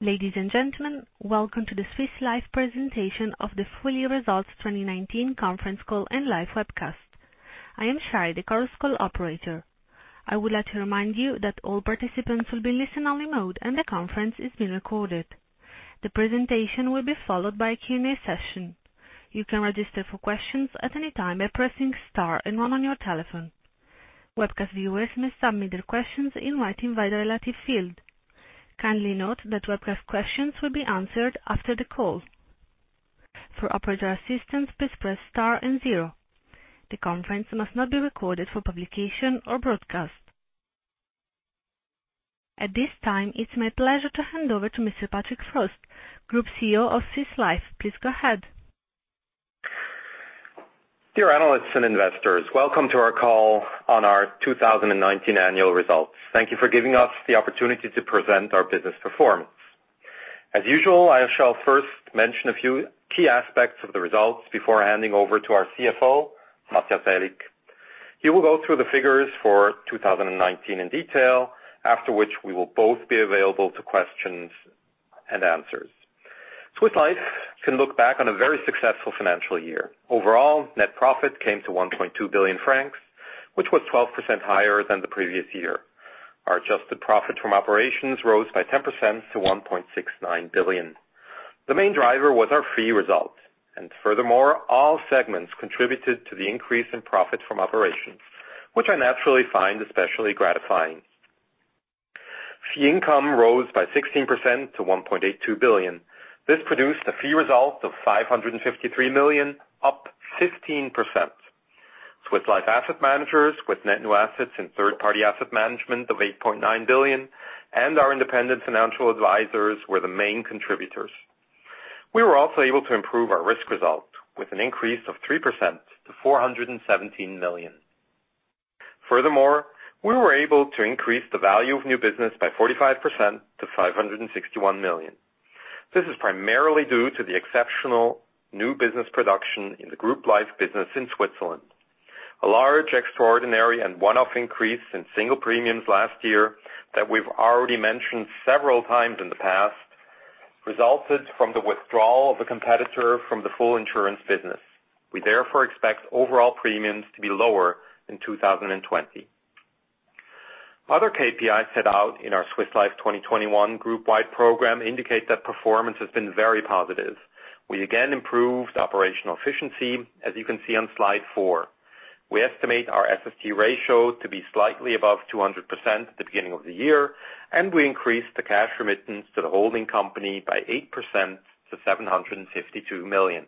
Ladies and gentlemen, welcome to the Swiss Life presentation of the full year results 2019 conference call and live webcast. I am Shari, the conference call operator. I would like to remind you that all participants will be in listen-only mode, and the conference is being recorded. The presentation will be followed by a Q&A session. You can register for questions at any time by pressing star and one on your telephone. Webcast viewers may submit their questions in writing via the relative field. Kindly note that webcast questions will be answered after the call. For operator assistance, please press star and zero. The conference must not be recorded for publication or broadcast. At this time, it's my pleasure to hand over to Mr. Patrick Frost, Group CEO of Swiss Life. Please go ahead. Dear analysts and investors, welcome to our call on our 2019 annual results. Thank you for giving us the opportunity to present our business performance. As usual, I shall first mention a few key aspects of the results before handing over to our CFO, Matthias Aellig. He will go through the figures for 2019 in detail, after which we will both be available to questions and answers. Swiss Life can look back on a very successful financial year. Overall, net profit came to 1.2 billion francs, which was 12% higher than the previous year. Our adjusted profit from operations rose by 10% to 1.69 billion. Furthermore, the main driver was our fee result, and all segments contributed to the increase in profit from operations, which I naturally find especially gratifying. Fee income rose by 16% to 1.82 billion. This produced a fee result of 553 million, up 15%. Swiss Life Asset Managers, with net new assets and third-party asset management of 8.9 billion, and our independent financial advisors were the main contributors. We were also able to improve our risk result with an increase of 3% to 417 million. We were able to increase the value of new business by 45% to 561 million. This is primarily due to the exceptional new business production in the group life business in Switzerland. A large, extraordinary, and one-off increase in single premiums last year that we've already mentioned several times in the past resulted from the withdrawal of a competitor from the full insurance business. We expect overall premiums to be lower in 2020. Other KPIs set out in our Swiss Life 2021 group-wide program indicate that performance has been very positive. We again improved operational efficiency, as you can see on slide four. We estimate our SST ratio to be slightly above 200% at the beginning of the year. We increased the cash remittance to the holding company by 8% to 752 million.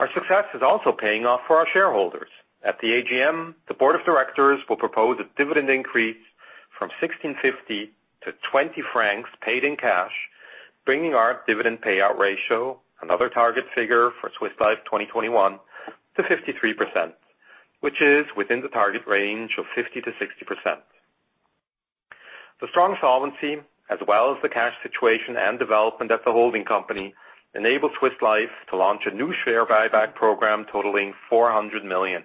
Our success is also paying off for our shareholders. At the AGM, the board of directors will propose a dividend increase from 16.50 to 20 francs paid in cash, bringing our dividend payout ratio, another target figure for Swiss Life 2021, to 53%, which is within the target range of 50%-60%. The strong solvency, as well as the cash situation and development at the holding company, enable Swiss Life to launch a new share buyback program totaling 400 million.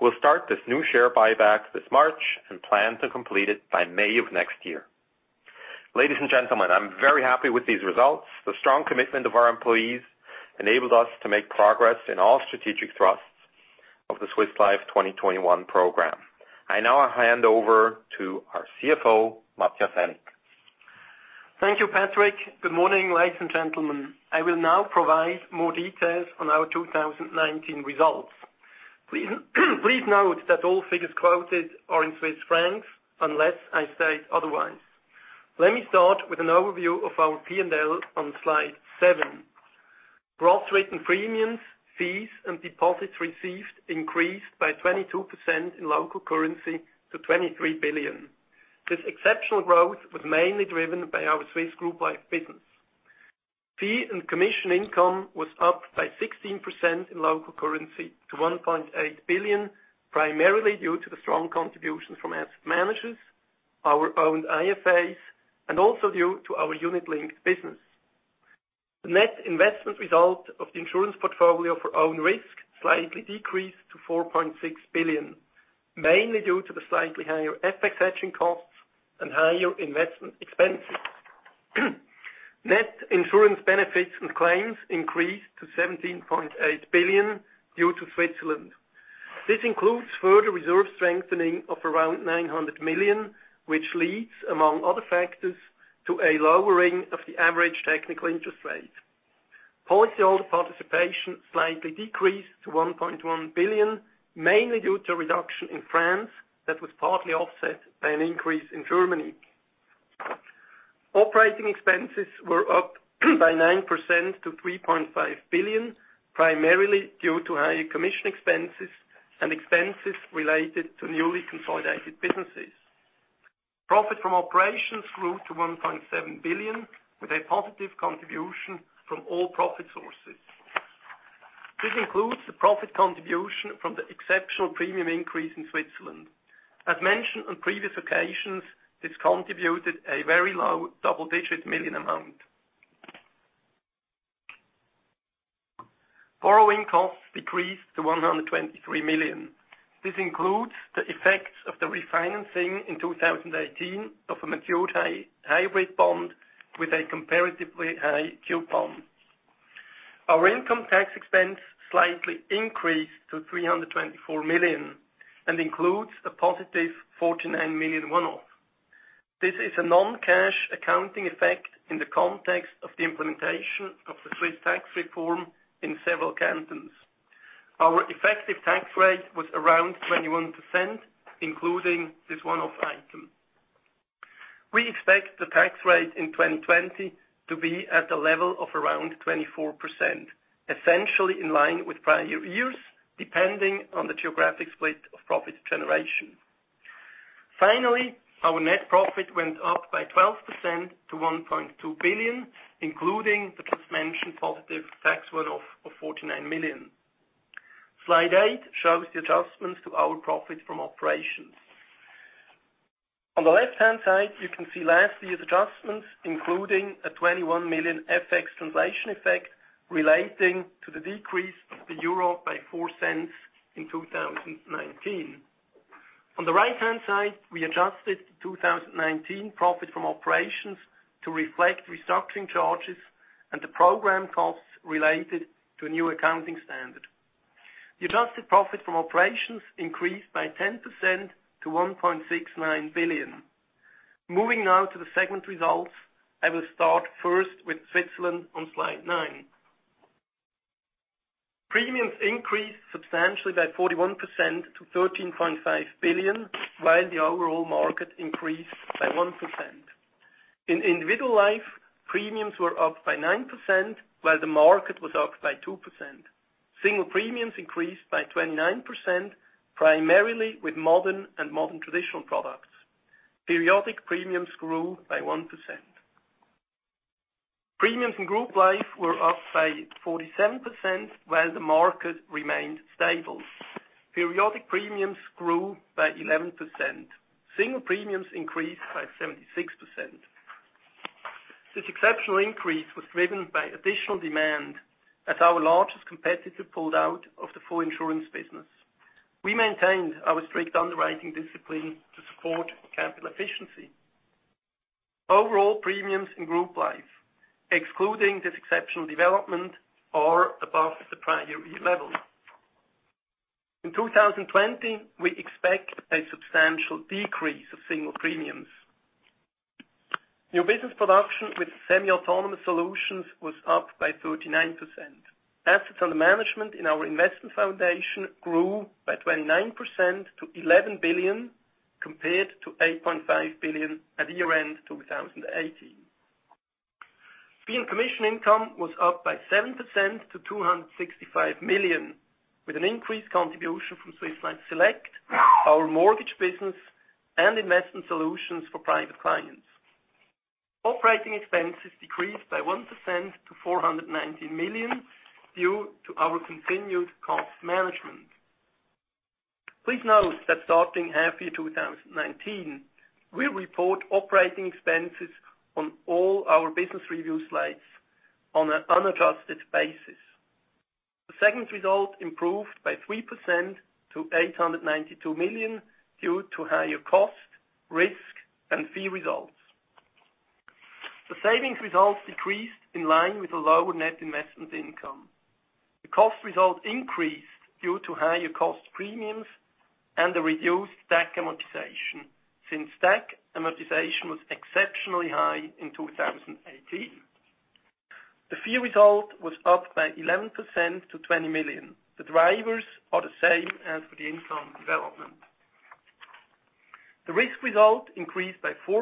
We'll start this new share buyback this March and plan to complete it by May of next year. Ladies and gentlemen, I'm very happy with these results. The strong commitment of our employees enabled us to make progress in all strategic thrusts of the Swiss Life 2021 program. I now hand over to our CFO, Matthias Aellig. Thank you, Patrick. Good morning, ladies and gentlemen. I will now provide more details on our 2019 results. Please note that all figures quoted are in Swiss francs unless I state otherwise. Let me start with an overview of our P&L on slide seven. Gross written premiums, fees, and deposits received increased by 22% in local currency to 23 billion. This exceptional growth was mainly driven by our Swiss group life business. Fee and commission income was up by 16% in local currency to 1.8 billion, primarily due to the strong contributions from asset managers, our own IFAs, and also due to our unit-linked business. The net investment result of the insurance portfolio for own risk slightly decreased to 4.6 billion, mainly due to the slightly higher FX hedging costs and higher investment expenses. Net insurance benefits and claims increased to 17.8 billion due to Switzerland. This includes further reserve strengthening of around 900 million, which leads, among other factors, to a lowering of the average technical interest rate. Policyholder participation slightly decreased to 1.1 billion, mainly due to a reduction in France that was partly offset by an increase in Germany. Operating expenses were up by 9% to 3.5 billion, primarily due to higher commission expenses and expenses related to newly consolidated businesses. Profit from operations grew to 1.7 billion, with a positive contribution from all profit sources. This includes the profit contribution from the exceptional premium increase in Switzerland. As mentioned on previous occasions, this contributed a very low double-digit million amount. Borrowing costs decreased to 123 million. This includes the effects of the refinancing in 2018 of a matured hybrid bond with a comparatively high coupon. Our income tax expense slightly increased to 324 million and includes a positive 49 million one-off. This is a non-cash accounting effect in the context of the implementation of the Swiss Corporate Tax Reform in several cantons. Our effective tax rate was around 21%, including this one-off item. We expect the tax rate in 2020 to be at the level of around 24%, essentially in line with prior years, depending on the geographic split of profit generation. Finally, our net profit went up by 12% to 1.2 billion, including the just mentioned positive tax one-off of 49 million. Slide eight shows the adjustments to our profit from operations. On the left-hand side, you can see last year's adjustments, including a 21 million FX translation effect relating to the decrease of the EUR by 0.04 in 2019. On the right-hand side, we adjusted the 2019 profit from operations to reflect restructuring charges and the program costs related to a new accounting standard. The adjusted profit from operations increased by 10% to 1.69 billion. Moving now to the segment results. I will start first with Switzerland on slide nine. Premiums increased substantially by 41% to 13.5 billion, while the overall market increased by 1%. In individual life, premiums were up by 9%, while the market was up by 2%. Single premiums increased by 29%, primarily with modern and modern traditional products. Periodic premiums grew by 1%. Premiums in group life were up by 47%, while the market remained stable. Periodic premiums grew by 11%. Single premiums increased by 76%. This exceptional increase was driven by additional demand as our largest competitor pulled out of the full insurance business. We maintained our strict underwriting discipline to support capital efficiency. Overall premiums in group life, excluding this exceptional development, are above the prior year level. In 2020, we expect a substantial decrease of single premiums. New business production with semi-autonomous solutions was up by 39%. Assets under management in our investment foundation grew by 29% to 11 billion, compared to 8.5 billion at year-end 2018. Fee and commission income was up by 7% to 265 million, with an increased contribution from Swiss Life Select, our mortgage business, and investment solutions for private clients. Operating expenses decreased by 1% to 419 million, due to our continued cost management. Please note that starting half-year 2019, we report operating expenses on all our business review slides on an unadjusted basis. The segment result improved by 3% to 892 million due to higher cost, risk, and fee results. The savings results decreased in line with the lower net investment income. The cost result increased due to higher cost premiums and a reduced DAC amortization, since DAC amortization was exceptionally high in 2018. The fee result was up by 11% to 20 million. The drivers are the same as for the income development. The risk result increased by 4%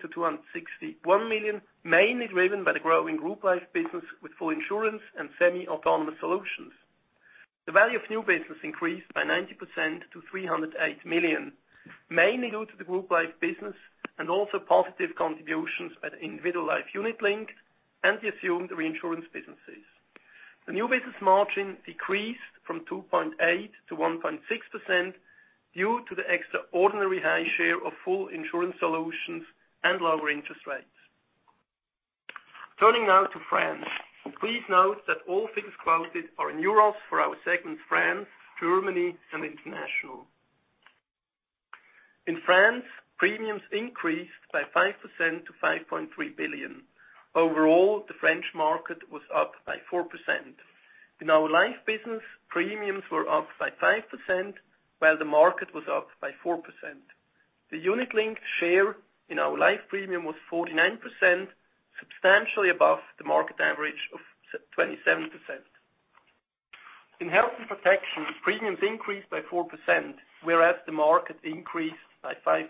to 261 million, mainly driven by the growing group life business with full insurance and semi-autonomous solutions. The value of new business increased by 90% to 308 million, mainly due to the group life business and also positive contributions at individual life unit-linked and the assumed reinsurance businesses. The new business margin decreased from 2.8%-1.6% due to the extraordinary high share of full insurance solutions and lower interest rates. Turning now to France. Please note that all figures quoted are in euros for our segment France, Germany, and International. In France, premiums increased by 5% to 5.3 billion. Overall, the French market was up by 4%. In our life business, premiums were up by 5%, while the market was up by 4%. The unit link share in our life premium was 49%, substantially above the market average of 27%. In health and protection, premiums increased by 4%, whereas the market increased by 5%.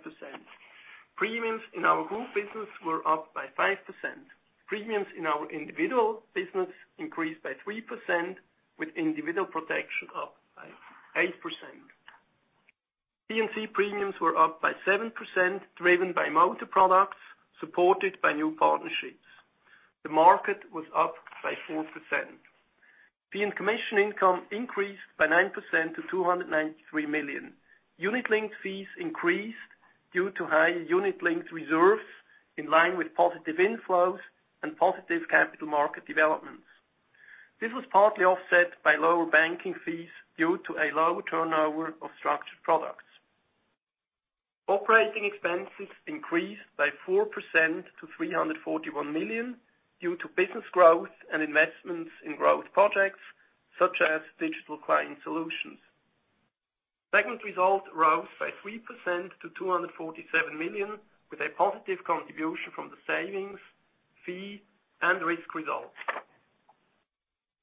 Premiums in our group business were up by 5%. Premiums in our individual business increased by 3%, with individual protection up by 8%. P&C premiums were up by 7%, driven by motor products, supported by new partnerships. The market was up by 4%. Fee and commission income increased by 9% to 293 million. Unit link fees increased due to higher unit link reserves in line with positive inflows and positive capital market developments. This was partly offset by lower banking fees due to a low turnover of structured products. Operating expenses increased by 4% to 341 million, due to business growth and investments in growth projects, such as digital client solutions. Segment result rose by 3% to 247 million, with a positive contribution from the savings, fee, and risk results.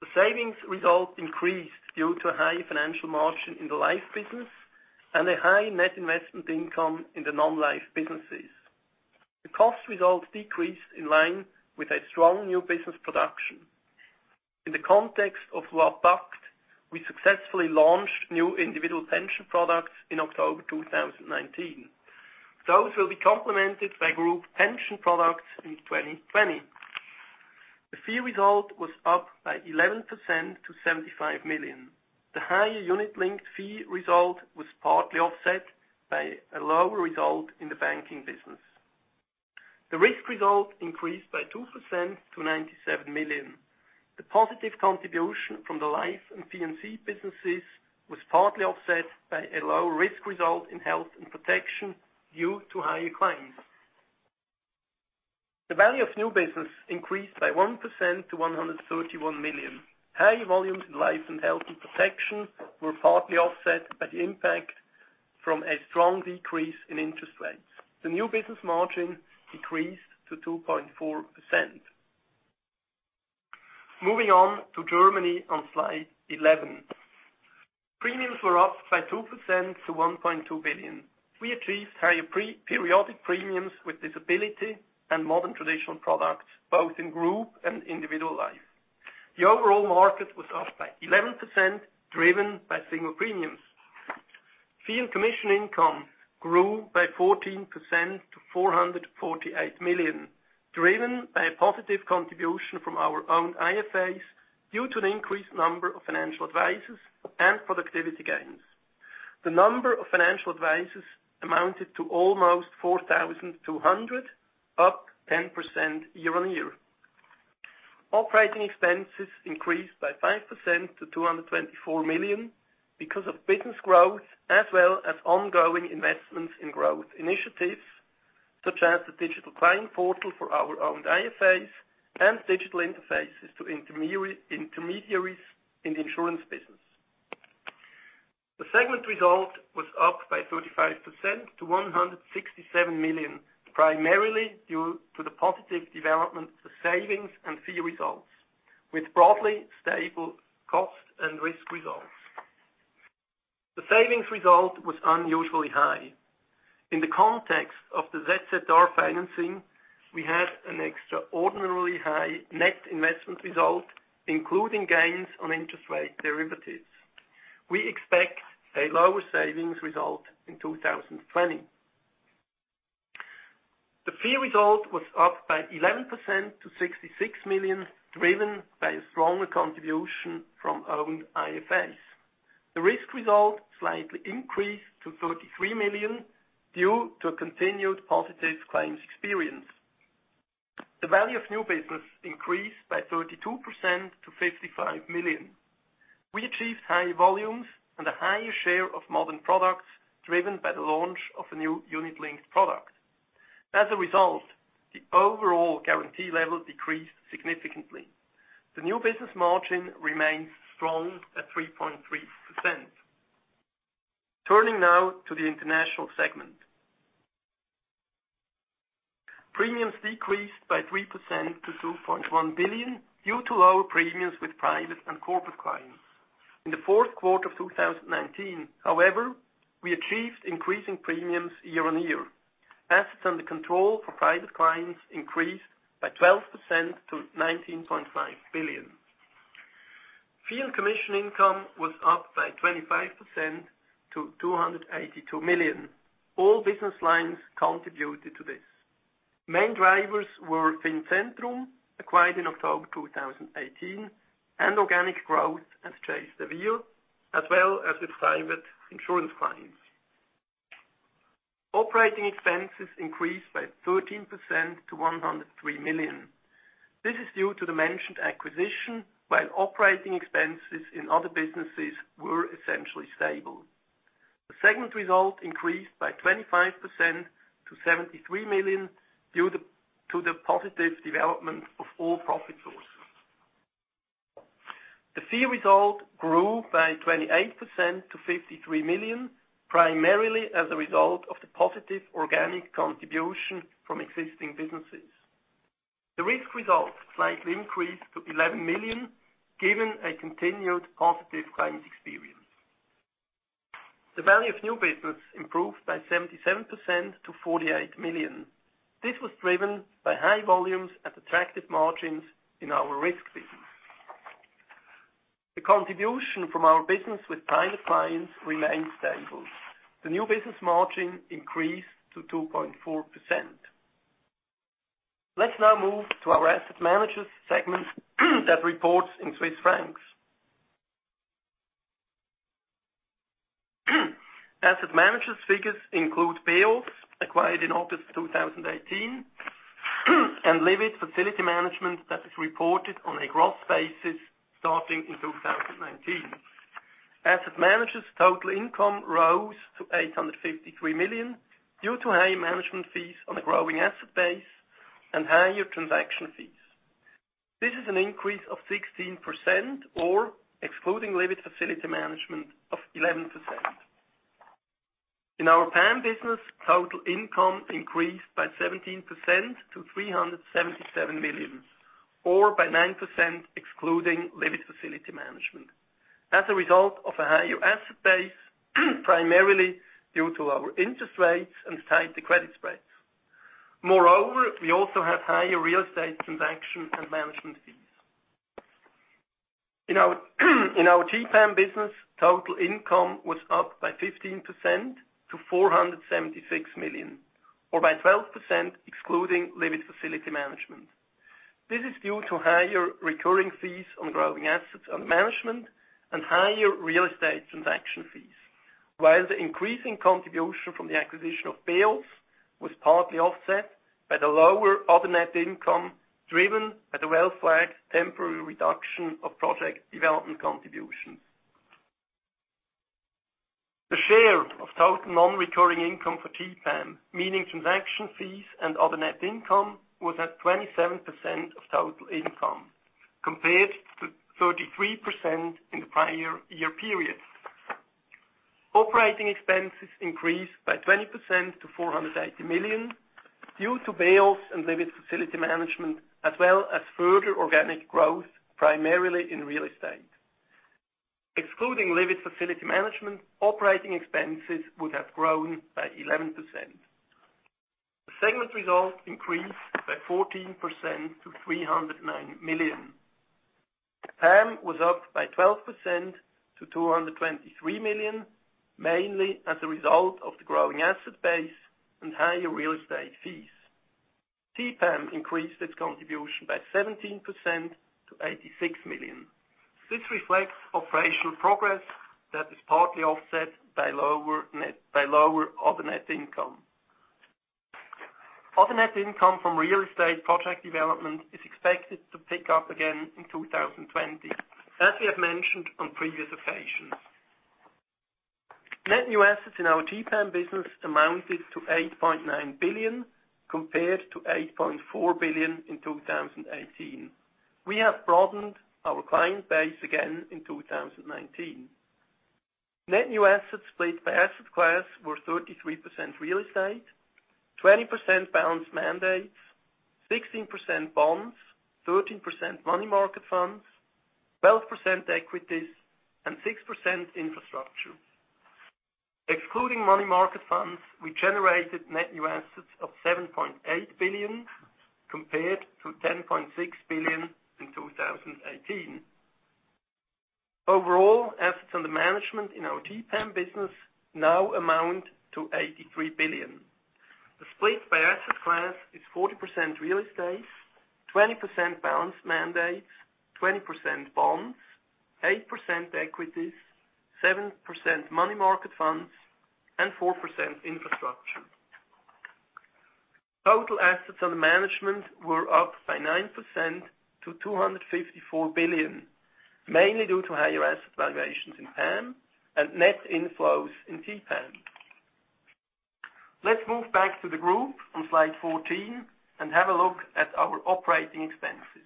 The savings result increased due to a high financial margin in the life business, and a high net investment income in the non-life businesses. The cost result decreased in line with a strong new business production. In the context of Loi PACTE, we successfully launched new individual pension products in October 2019. Those will be complemented by group pension products in 2020. The fee result was up by 11% to 75 million. The higher unit-linked fee result was partly offset by a lower result in the banking business. The risk result increased by 2% to 97 million. The positive contribution from the life and P&C businesses was partly offset by a low risk result in health and protection due to higher claims. The value of new business increased by 1% to 131 million. High volumes in life and health and protection were partly offset by the impact from a strong decrease in interest rates. The new business margin decreased to 2.4%. Moving on to Germany on slide 11. Premiums were up by 2% to 1.2 billion. We achieved higher periodic premiums with disability and modern traditional products, both in group and individual life. The overall market was up by 11%, driven by single premiums. Fee and commission income grew by 14% to 448 million, driven by a positive contribution from our own IFAs due to an increased number of financial advisors and productivity gains. The number of financial advisors amounted to almost 4,200, up 10% year-on-year. Operating expenses increased by 5% to 224 million, because of business growth as well as ongoing investments in growth initiatives, such as the digital client portal for our own IFAs and digital interfaces to intermediaries in the insurance business. The segment result was up by 35% to 167 million, primarily due to the positive development of the savings and fee results, with broadly stable cost and risk results. The savings result was unusually high. In the context of the ZZR financing, we had an extraordinarily high net investment result, including gains on interest rate derivatives. We expect a lower savings result in 2020. The fee result was up by 11% to 66 million, driven by a stronger contribution from owned IFAs. The risk result slightly increased to 33 million due to a continued positive claims experience. The value of new business increased by 32% to 55 million. We achieved high volumes and a higher share of modern products driven by the launch of a new unit-linked product. As a result, the overall guarantee level decreased significantly. The new business margin remains strong at 3.3%. Turning now to the international segment. Premiums decreased by 3% to 2.1 billion due to lower premiums with private and corporate clients. In the fourth quarter of 2019, however, we achieved increasing premiums year-on-year. Assets under control for private clients increased by 12% to 19.5 billion. Fee and commission income was up by 25% to 282 million. All business lines contributed to this. Main drivers were Fincentrum, acquired in October 2018, and organic growth at Chase de Vere, as well as its private insurance clients. Operating expenses increased by 13% to 103 million. This is due to the mentioned acquisition, while operating expenses in other businesses were essentially stable. The segment result increased by 25% to 73 million, due to the positive development of all profit sources. The fee result grew by 28% to 53 million, primarily as a result of the positive organic contribution from existing businesses. The risk result slightly increased to 11 million, given a continued positive claims experience. The value of new business improved by 77% to 48 million. This was driven by high volumes at attractive margins in our risk business. The contribution from our business with private clients remained stable. The new business margin increased to 2.4%. Let's now move to our asset managers segment that reports in CHF. Asset managers figures include BEOS acquired in August 2018, and Livit FM Services that is reported on a gross basis starting in 2019. Asset managers total income rose to 853 million, due to higher management fees on a growing asset base and higher transaction fees. This is an increase of 16%, or excluding Livit FM Services, of 11%. In our PAM business, total income increased by 17% to 377 million, or by 9% excluding Livit FM Services, as a result of a higher asset base, primarily due to lower interest rates and tighter credit spreads. Moreover, we also have higher real estate transaction and management fees. In our TPAM business, total income was up by 15% to 476 million, or by 12% excluding Livit FM Services. This is due to higher recurring fees on growing assets under management and higher real estate transaction fees. While the increasing contribution from the acquisition of BEOS was partly offset by the lower other net income driven by the well-flagged temporary reduction of project development contributions. The share of total non-recurring income for TPAM, meaning transaction fees and other net income, was at 27% of total income, compared to 33% in the prior year period. Operating expenses increased by 20% to 480 million, due to BEOS and Livit FM Services, as well as further organic growth, primarily in real estate. Excluding Livit FM Services, operating expenses would have grown by 11%. The segment results increased by 14% to 309 million. PAM was up by 12% to 223 million, mainly as a result of the growing asset base and higher real estate fees. TPAM increased its contribution by 17% to 86 million. This reflects operational progress that is partly offset by lower other net income. Other net income from real estate project development is expected to pick up again in 2020, as we have mentioned on previous occasions. Net new assets in our TPAM business amounted to 8.9 billion, compared to 8.4 billion in 2018. We have broadened our client base again in 2019. Net new assets split by asset class were 33% real estate, 20% balanced mandates, 16% bonds, 13% money market funds, 12% equities, and 6% infrastructure. Excluding money market funds, we generated net new assets of 7.8 billion, compared to 10.6 billion in 2018. Overall, assets under management in our TPAM business now amount to 83 billion. The split by asset class is 40% real estate, 20% balanced mandates, 20% bonds, 8% equities, 7% money market funds, and 4% infrastructure. Total assets under management were up by 9% to 254 billion, mainly due to higher asset valuations in PAM and net inflows in TPAM. Let's move back to the group on slide 14 and have a look at our operating expenses.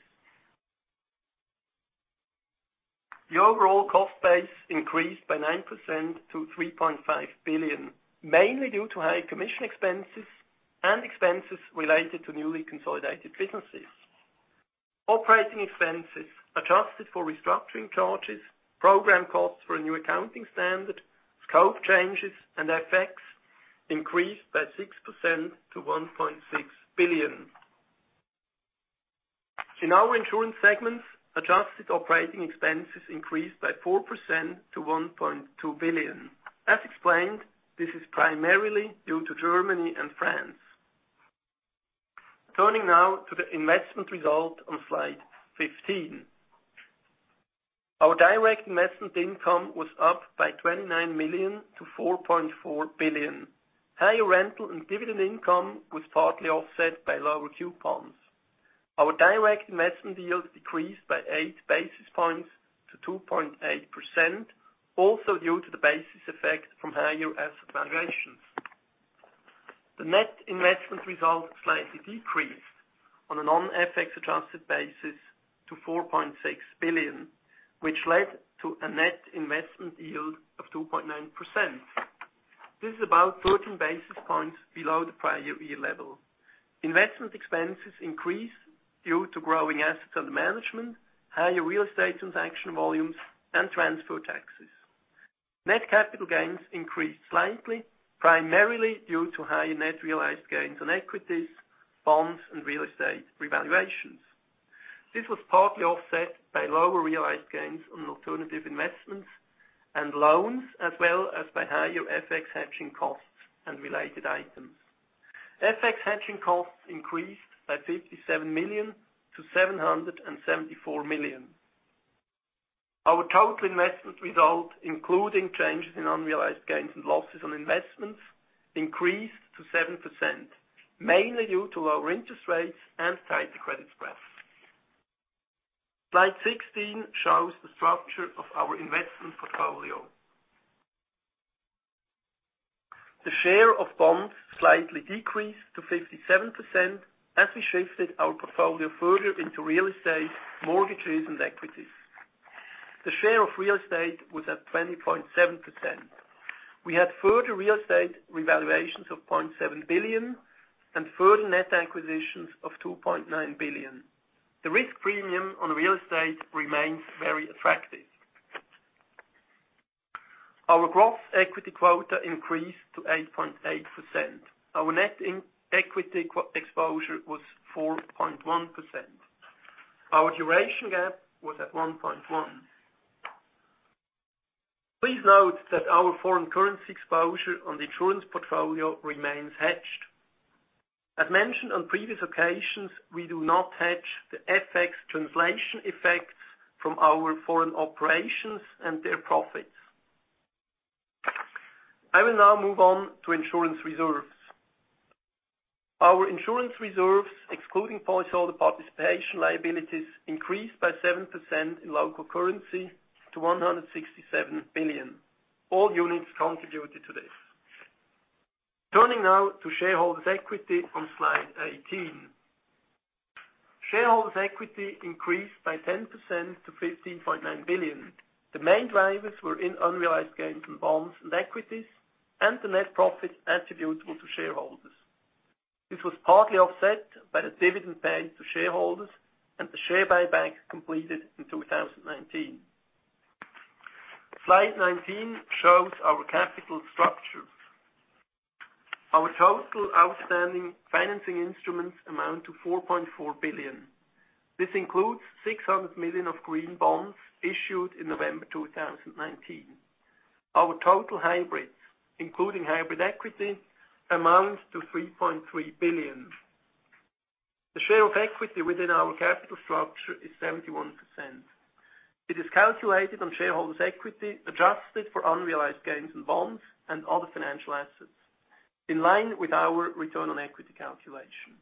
The overall cost base increased by 9% to 3.5 billion, mainly due to higher commission expenses and expenses related to newly consolidated businesses. Operating expenses, adjusted for restructuring charges, program costs for a new accounting standard, scope changes, and FX, increased by 6% to 1.6 billion. In our insurance segments, adjusted operating expenses increased by 4% to 1.2 billion. As explained, this is primarily due to Germany and France. Turning now to the investment result on slide 15. Our direct investment income was up by 29 million to 4.4 billion. Higher rental and dividend income was partly offset by lower coupons. Our direct investment yield decreased by eight basis points to 2.8%, also due to the basis effect from higher asset valuations. The net investment results slightly decreased on a non-FX adjusted basis to 4.6 billion, which led to a net investment yield of 2.9%. This is about 13 basis points below the prior year level. Investment expenses increased due to growing assets under management, higher real estate transaction volumes, and transfer taxes. Net capital gains increased slightly, primarily due to higher net realized gains on equities, bonds, and real estate revaluations. This was partly offset by lower realized gains on alternative investments and loans, as well as by higher FX hedging costs and related items. FX hedging costs increased by 57 million to 774 million. Our total investment result, including changes in unrealized gains and losses on investments, increased to 7%, mainly due to lower interest rates and tighter credit spreads. Slide 16 shows the structure of our investment portfolio. The share of bonds slightly decreased to 57% as we shifted our portfolio further into real estate, mortgages, and equities. The share of real estate was at 20.7%. We had further real estate revaluations of 0.7 billion and further net acquisitions of 2.9 billion. The risk premium on real estate remains very attractive. Our growth equity quota increased to 8.8%. Our net equity exposure was 4.1%. Our duration gap was at 1.1. Please note that our foreign currency exposure on the insurance portfolio remains hedged. As mentioned on previous occasions, we do not hedge the FX translation effects from our foreign operations and their profits. I will now move on to insurance reserves. Our insurance reserves, excluding policyholder participation liabilities, increased by 7% in local currency to 167 billion. All units contributed to this. Turning now to shareholders' equity on slide 18. Shareholders' equity increased by 10% to 15.9 billion. The main drivers were in unrealized gains from bonds and equities, and the net profits attributable to shareholders. This was partly offset by the dividend paid to shareholders and the share buybacks completed in 2019. Slide 19 shows our capital structure. Our total outstanding financing instruments amount to 4.4 billion. This includes 600 million of green bonds issued in November 2019. Our total hybrids, including hybrid equity, amount to 3.3 billion. The share of equity within our capital structure is 71%. It is calculated on shareholders' equity adjusted for unrealized gains and bonds and other financial assets, in line with our return on equity calculation.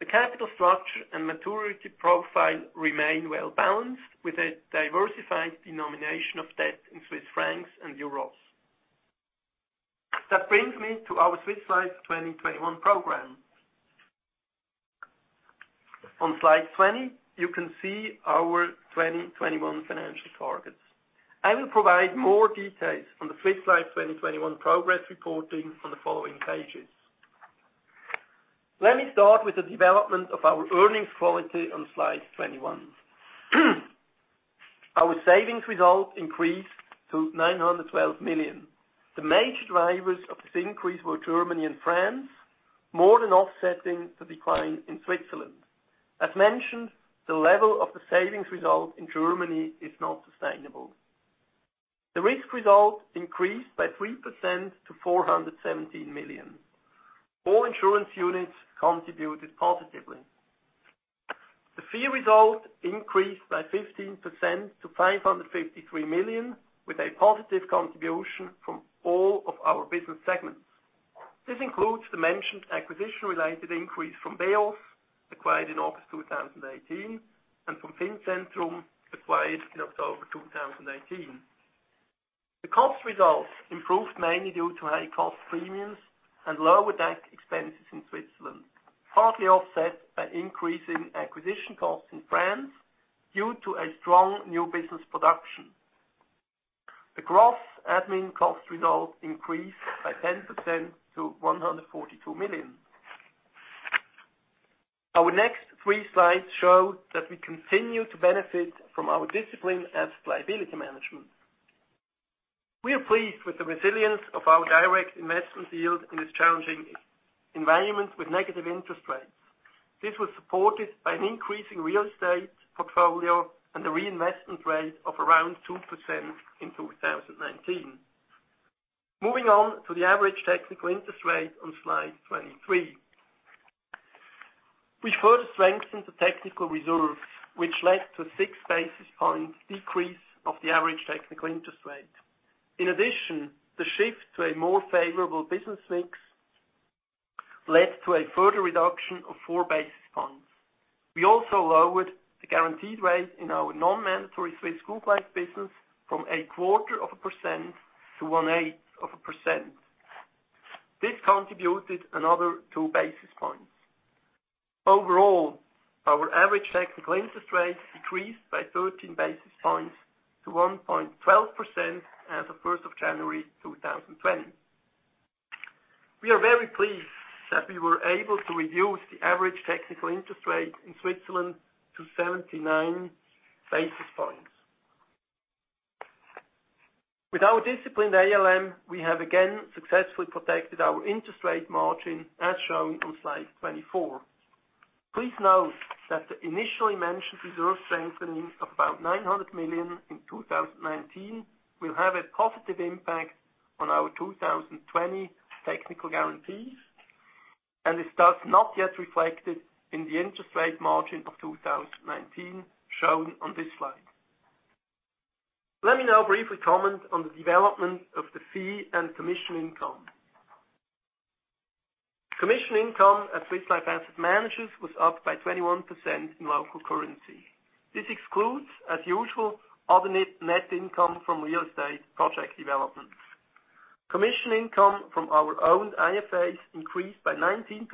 The capital structure and maturity profile remain well-balanced, with a diversified denomination of debt in Swiss francs and euros. That brings me to our Swiss Life 2021 program. On slide 20, you can see our 2021 financial targets. I will provide more details on the Swiss Life 2021 progress reporting on the following pages. Let me start with the development of our earnings quality on slide 21. Our savings result increased to 912 million. The major drivers of this increase were Germany and France, more than offsetting the decline in Switzerland. As mentioned, the level of the savings result in Germany is not sustainable. The risk result increased by 3% to 417 million. All insurance units contributed positively. The fee result increased by 15% to 553 million, with a positive contribution from all of our business segments. This includes the mentioned acquisition-related increase from BEOS, acquired in August 2018, and from Fincentrum, acquired in October 2018. The cost result improved mainly due to high cost premiums and lower DAC expenses in Switzerland, partly offset by increasing acquisition costs in France due to a strong new business production. The gross admin cost result increased by 10% to 142 million. Our next three slides show that we continue to benefit from our discipline as liability management. We are pleased with the resilience of our direct investment yield in this challenging environment with negative interest rates. This was supported by an increasing real estate portfolio and a reinvestment rate of around 2% in 2019. Moving on to the average technical interest rate on slide 23. We further strengthened the technical reserves, which led to six basis points decrease of the average technical interest rate. In addition, the shift to a more favorable business mix led to a further reduction of four basis points. We also lowered the guaranteed rate in our non-mandatory Swiss group life business from a 0.25%-0.125%. This contributed another two basis points. Overall, our average technical interest rate decreased by 13 basis points to 1.12% as of 1st of January 2020. We are very pleased that we were able to reduce the average technical interest rate in Switzerland to 79 basis points. With our disciplined ALM, we have again successfully protected our interest rate margin as shown on slide 24. Please note that the initially mentioned reserve strengthening of about 900 million in 2019 will have a positive impact on our 2020 technical guarantees. Is thus not yet reflected in the interest rate margin of 2019 shown on this slide. Let me now briefly comment on the development of the fee and commission income. Commission income at Swiss Life Asset Managers was up by 21% in local currency. This excludes, as usual, other net income from real estate project developments. Commission income from our owned IFAs increased by 19%,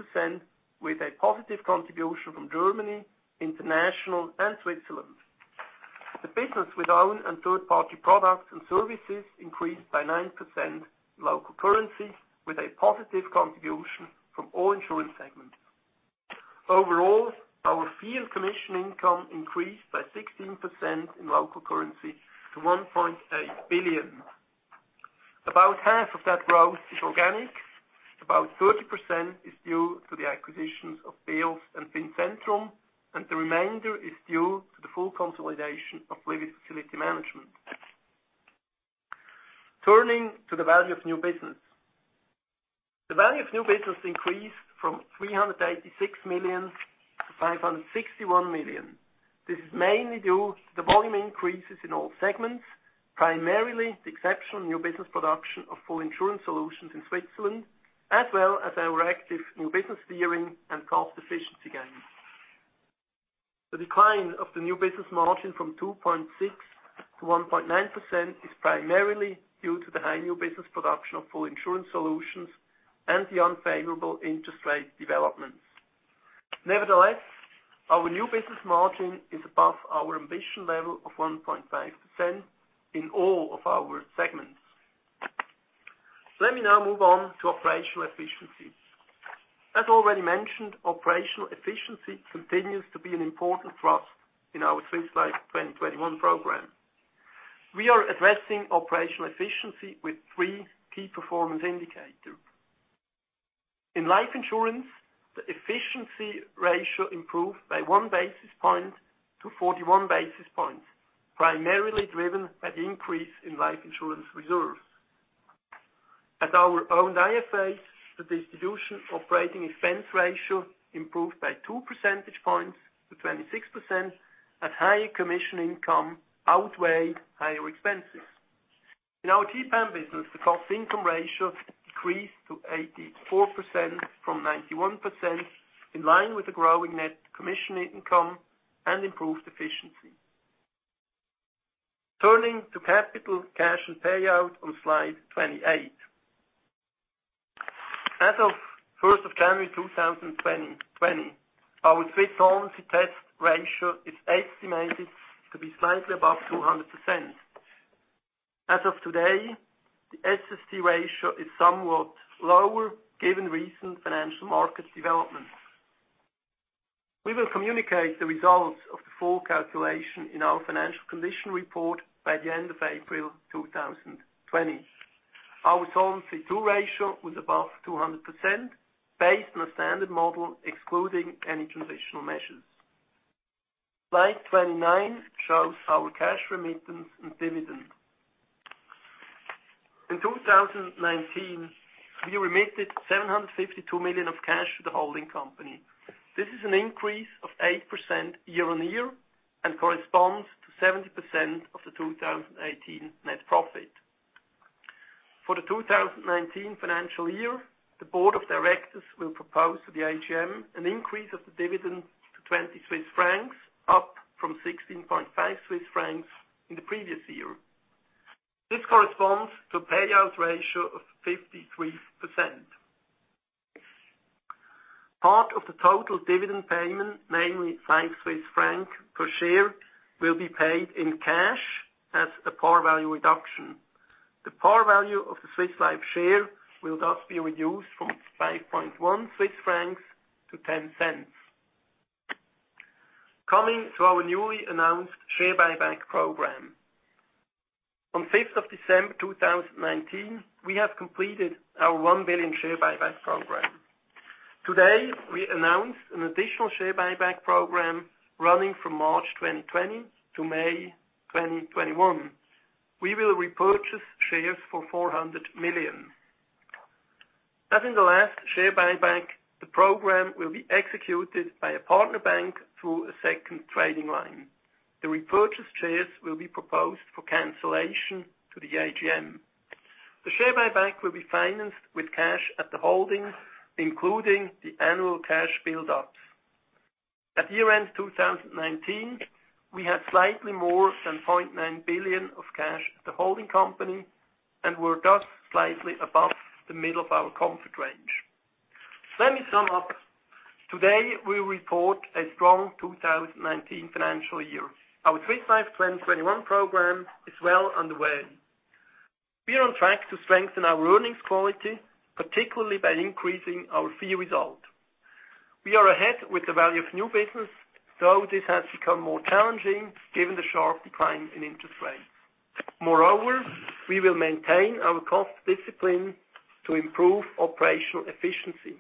with a positive contribution from Germany, international and Switzerland. The business with our own and third-party products and services increased by 9% in local currency, with a positive contribution from all insurance segments. Overall, our fee and commission income increased by 16% in local currency to 1.8 billion. About half of that growth is organic, about 30% is due to the acquisitions of BEOS and Fincentrum, and the remainder is due to the full consolidation of Livit FM Services. Turning to the value of new business. The value of new business increased from 386 million to 561 million. This is mainly due to the volume increases in all segments, primarily the exceptional new business production of full insurance solutions in Switzerland, as well as our active new business steering and cost efficiency gains. The decline of the new business margin from 2.6%-1.9% is primarily due to the high new business production of full insurance solutions and the unfavorable interest rate developments. Nevertheless, our new business margin is above our ambition level of 1.5% in all of our segments. Let me now move on to operational efficiency. As already mentioned, operational efficiency continues to be an important thrust in our Swiss Life 2021 program. We are addressing operational efficiency with three key performance indicators. In life insurance, the efficiency ratio improved by one basis point to 41 basis points, primarily driven by the increase in life insurance reserves. At our owned IFAs, the distribution operating expense ratio improved by two percentage points to 26%, as higher commission income outweighed higher expenses. In our TPAM business, the cost income ratio decreased to 84% from 91%, in line with the growing net commission income and improved efficiency. Turning to capital, cash, and payout on slide 28. As of 1st of January 2020, our Swiss Solvency Test ratio is estimated to be slightly above 200%. As of today, the SST ratio is somewhat lower given recent financial market developments. We will communicate the results of the full calculation in our financial condition report by the end of April 2020. Our Solvency II ratio was above 200%, based on a standard model excluding any transitional measures. Slide 29 shows our cash remittance and dividend. In 2019, we remitted 752 million of cash to the holding company. This is an increase of 8% year-over-year and corresponds to 70% of the 2018 net profit. For the 2019 financial year, the board of directors will propose to the AGM an increase of the dividend to 20 Swiss francs, up from 16.5 Swiss francs in the previous year. This corresponds to a payout ratio of 53%. Part of the total dividend payment, namely 5 Swiss francs per share, will be paid in cash as a par value reduction. The par value of the Swiss Life share will thus be reduced from 5.1-0.10 Swiss francs. Coming to our newly announced share buyback program. On December 5, 2019, we have completed our 1 billion share buyback program. Today, we announced an additional share buyback program running from March 2020 to May 2021. We will repurchase shares for 400 million. As in the last share buyback, the program will be executed by a partner bank through a second trading line. The repurchased shares will be proposed for cancellation to the AGM. The share buyback will be financed with cash at the holdings, including the annual cash build-ups. At year-end 2019, we had slightly more than 0.9 billion of cash at the holding company and were thus slightly above the middle of our comfort range. Let me sum up. Today, we report a strong 2019 financial year. Our Swiss Life 2021 program is well underway. We are on track to strengthen our earnings quality, particularly by increasing our fee result. We are ahead with the value of new business, though this has become more challenging given the sharp decline in interest rates. We will maintain our cost discipline to improve operational efficiency.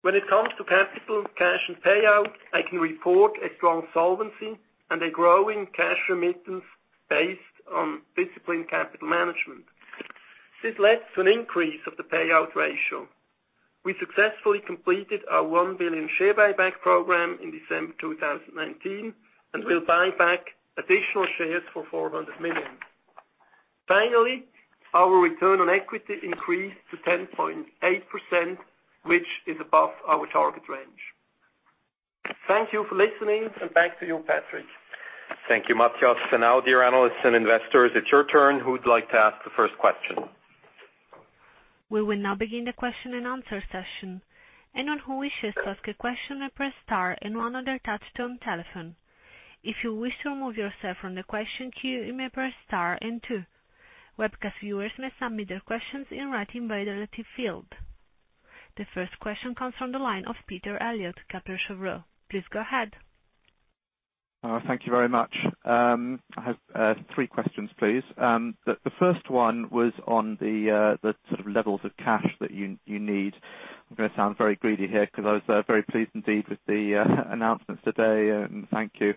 When it comes to capital, cash, and payout, I can report a strong solvency and a growing cash remittance based on disciplined capital management. This led to an increase of the payout ratio. We successfully completed our 1 billion share buyback program in December 2019, and will buy back additional shares for 400 million. Finally, our return on equity increased to 10.8%, which is above our target range. Thank you for listening. Back to you, Patrick. Thank you, Matthias. Now, dear analysts and investors, it's your turn. Who'd like to ask the first question? We will now begin the question and answer session. Anyone who wishes to ask a question now press star and one on their touchtone telephone. If you wish to remove yourself from the question queue, you may press star and two. Webcast viewers may submit their questions in writing by the nativity field. The first question comes from the line of Peter Eliot, Kepler Cheuvreux. Please go ahead. Thank you very much. I have three questions, please. The first one was on the sort of levels of cash that you need. I'm going to sound very greedy here because I was very pleased indeed with the announcements today, and thank you.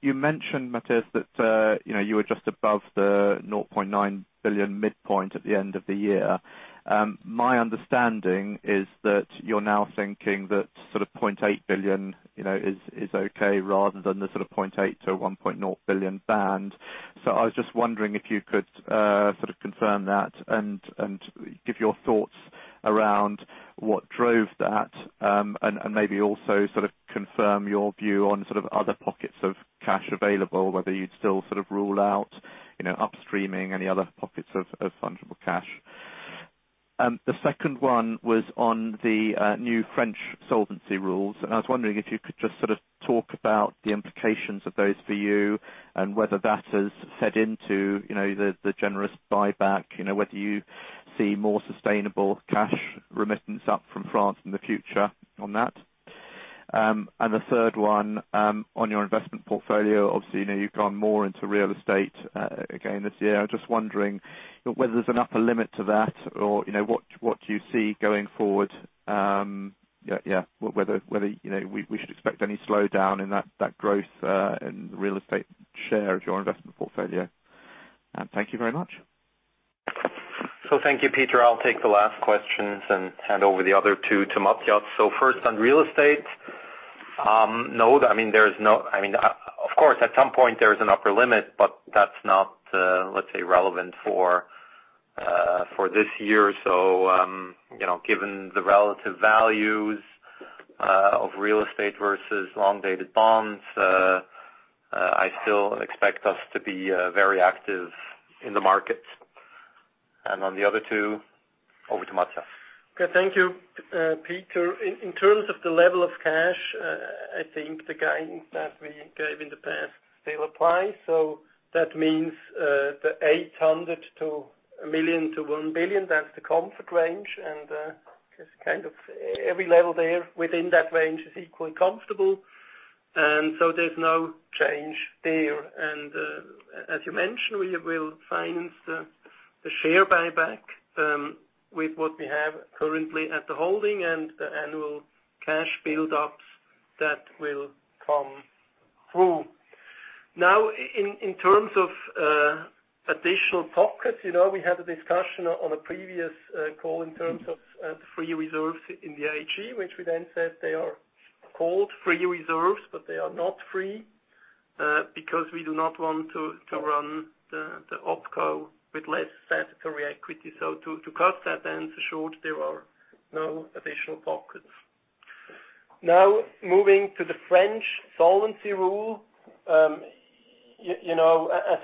You mentioned, Matthias, that you were just above the 0.9 billion midpoint at the end of the year. My understanding is that you're now thinking that sort of 0.8 billion is okay rather than the sort of 0.8 billion-1.0 billion band. I was just wondering if you could sort of confirm that and give your thoughts around what drove that, and maybe also sort of confirm your view on sort of other pockets of cash available, whether you'd still sort of rule out upstreaming any other pockets of fungible cash. The second one was on the new French solvency rules. I was wondering if you could just sort of talk about the implications of those for you and whether that has fed into the generous buyback. Whether you see more sustainable cash remittance up from France in the future on that. The third one, on your investment portfolio. Obviously, you've gone more into real estate, again, this year. I'm just wondering whether there's an upper limit to that or what you see going forward. Whether we should expect any slowdown in that growth in real estate share of your investment portfolio. Thank you very much. Thank you, Peter. I'll take the last questions and hand over the other two to Matthias. First on real estate. Of course, at some point there is an upper limit, that's not, let's say, relevant for this year. Given the relative values of real estate versus long-dated bonds, I still expect us to be very active in the market. On the other two, over to Matthias. Thank you, Peter. In terms of the level of cash, I think the guidance that we gave in the past still applies. That means the 800 to 1 million to 1 billion, that's the comfort range. Just kind of every level there within that range is equally comfortable. There's no change there. As you mentioned, we will finance the share buyback with what we have currently at the holding and the annual cash buildups that will come through. In terms of additional pockets, we had a discussion on a previous call in terms of the free reserves in the IAG, which we then said they are called free reserves, but they are not free, because we do not want to run the OpCo with less statutory equity. To cut that answer short, there are no additional pockets. Now, moving to the French solvency rule. As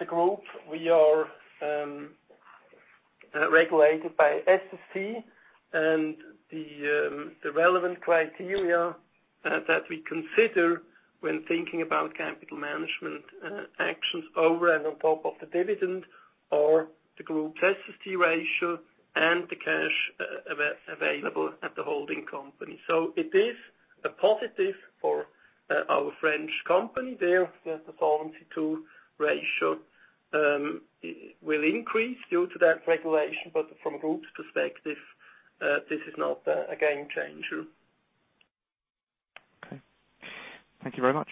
a group, we are regulated by SST, and the relevant criteria that we consider when thinking about capital management actions over and on top of the dividend or the group SST ratio and the cash available at the holding company. It is a positive for our French company. There, the Solvency II ratio will increase due to that regulation. From a group perspective, this is not a game changer. Okay. Thank you very much.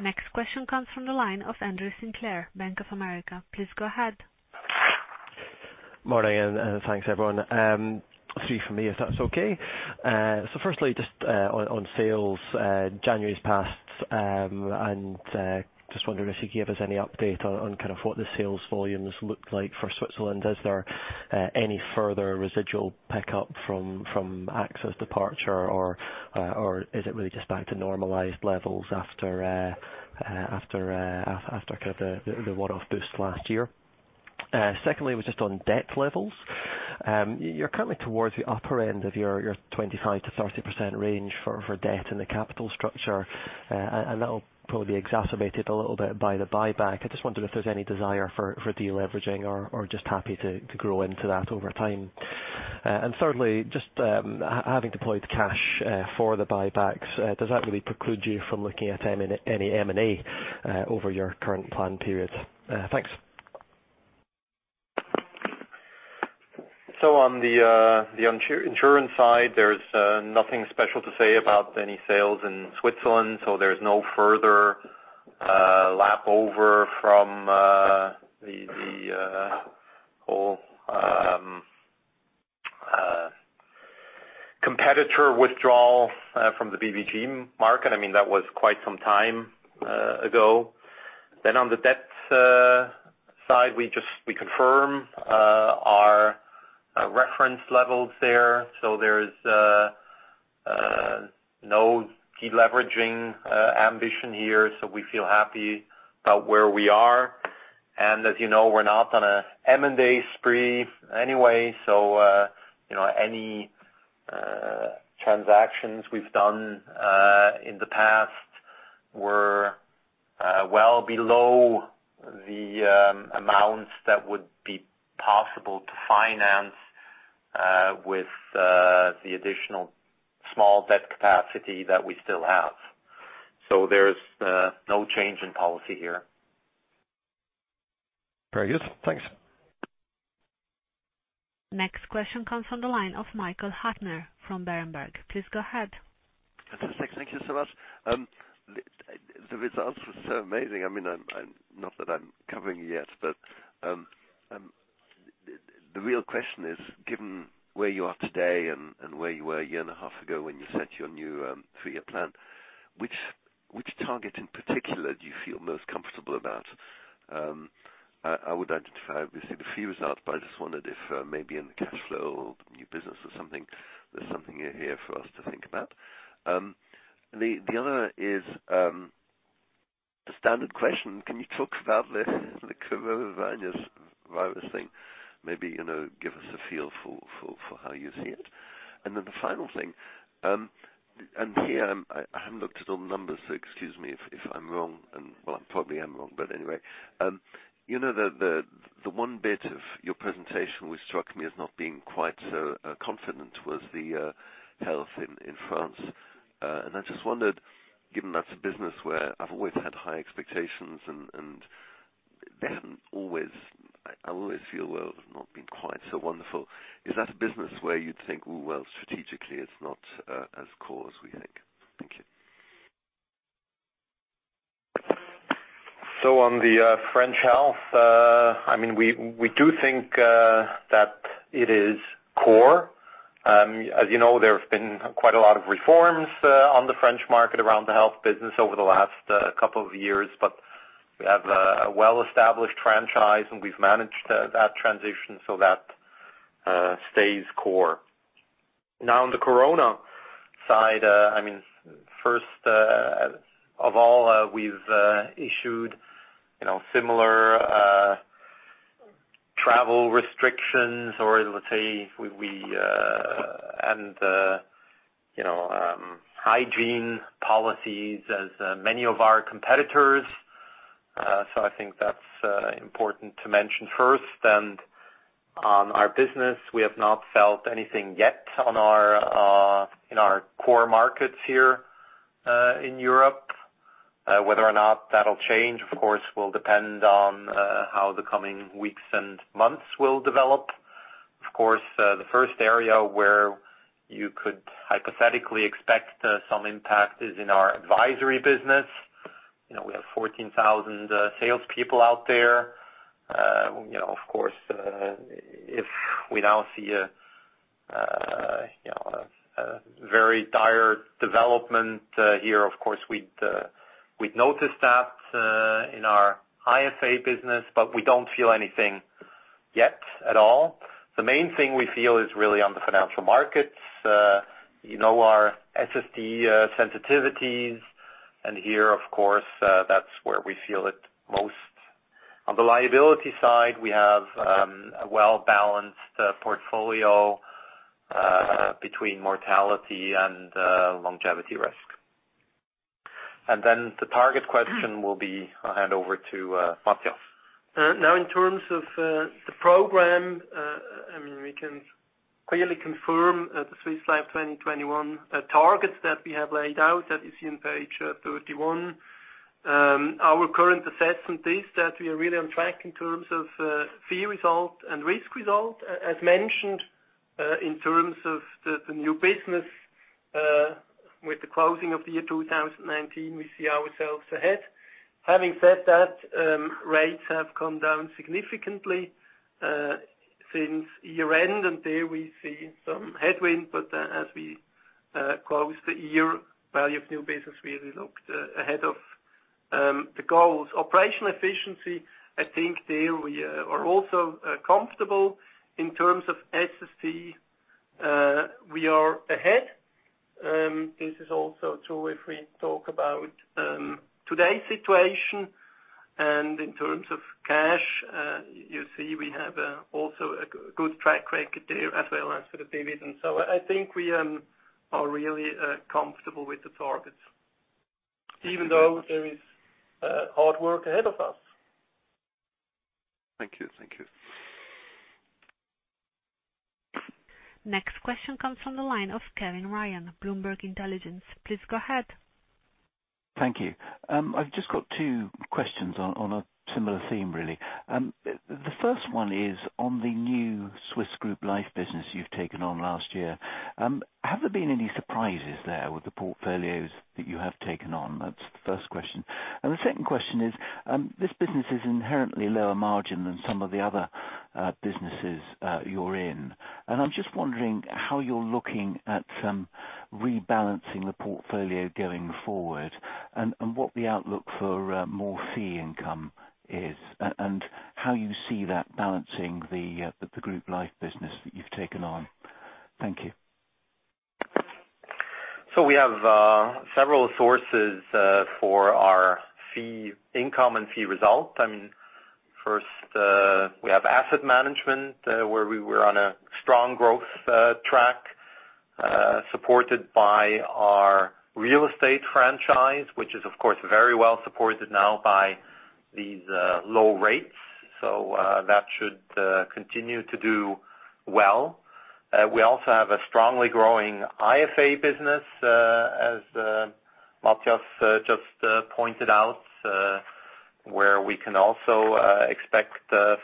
Next question comes from the line of Andy Sinclair, Bank of America. Please go ahead. Morning, thanks everyone. Three from me, if that's okay. Firstly, just on sales. January's passed, and just wondering if you could give us any update on kind of what the sales volumes looked like for Switzerland. Is there any further residual pickup from AXA's departure, or is it really just back to normalized levels after kind of the one-off boost last year? Secondly, was just on debt levels. You're currently towards the upper end of your 25%-30% range for debt in the capital structure. That'll probably be exacerbated a little bit by the buyback. I just wondered if there's any desire for deleveraging or just happy to grow into that over time. Thirdly, just having deployed the cash for the buybacks, does that really preclude you from looking at any M&A over your current plan period? Thanks. On the insurance side, there's nothing special to say about any sales in Switzerland, so there's no further lap over from the whole competitor withdrawal from the BVG market. That was quite some time ago. On the debt side, we confirm our reference levels there. There's no de-leveraging ambition here. We feel happy about where we are. As you know, we're not on a M&A spree anyway. Any transactions we've done in the past were well below the amounts that would be possible to finance with the additional small debt capacity that we still have. There's no change in policy here. Very good. Thanks. Next question comes from the line of Michael Huttner from Berenberg. Please go ahead. Fantastic. Thank you so much. The results were so amazing. Not that I'm covering you yet, but the real question is, given where you are today and where you were a year and a half ago when you set your new three-year plan, which target in particular do you feel most comfortable about? I would identify obviously the fee result, but I just wondered if maybe in the cashflow or new business or something, there's something in here for us to think about. The other is a standard question. Can you talk about the coronavirus thing? Maybe, give us a feel for how you see it. The final thing, and here I haven't looked at all the numbers, so excuse me if I'm wrong and, well, I probably am wrong, but anyway. The one bit of your presentation which struck me as not being quite so confident was the health in France. I just wondered, given that's a business where I've always had high expectations and they haven't always I always feel, well, have not been quite so wonderful. Is that a business where you'd think, well, strategically, it's not as core as we think? Thank you. On the French health, we do think that it is core. As you know, there have been quite a lot of reforms on the French market around the health business over the last couple of years. We have a well-established franchise, and we've managed that transition, so that stays core. On the corona side, first of all, we've issued similar travel restrictions or let's say hygiene policies as many of our competitors. I think that's important to mention first. On our business, we have not felt anything yet in our core markets here in Europe. Whether or not that'll change, of course, will depend on how the coming weeks and months will develop. The first area where you could hypothetically expect some impact is in our advisory business. We have 14,000 salespeople out there. If we now see a very dire development here, of course, we'd notice that in our IFA business, but we don't feel anything yet at all. The main thing we feel is really on the financial markets. You know our SST sensitivities. Here, of course, that's where we feel it most. On the liability side, we have a well-balanced portfolio between mortality and longevity risk. The target question will be, I'll hand over to Matthias. In terms of the program, we can clearly confirm the Swiss Life 2021 targets that we have laid out. That is in page 31. Our current assessment is that we are really on track in terms of fee result and risk result. As mentioned, in terms of the new business, with the closing of the year 2019, we see ourselves ahead. Having said that, rates have come down significantly since year-end, and there we see some headwind. As we close the year, value of new business really looked ahead of the goals. Operational efficiency, I think there we are also comfortable. In terms of SST, we are ahead. This is also true if we talk about today's situation. In terms of cash, you see we have also a good track record there as well as for the dividend. I think we are really comfortable with the targets, even though there is hard work ahead of us. Thank you. Next question comes from the line of Kevin Ryan, Bloomberg Intelligence. Please go ahead. Thank you. I've just got two questions on a similar theme, really. The first one is on the new Swiss group life business you've taken on last year. Have there been any surprises there with the portfolios that you have taken on? That's the first question. The second question is, this business is inherently lower margin than some of the other businesses you're in. I'm just wondering how you're looking at rebalancing the portfolio going forward and what the outlook for more fee income is and how you see that balancing the group life business that you've taken on. Thank you. We have several sources for our fee income and fee result. First, we have asset management, where we were on a strong growth track, supported by our real estate franchise, which is of course very well supported now by these low rates. That should continue to do well. We also have a strongly growing IFA business, as Matthias just pointed out, where we can also expect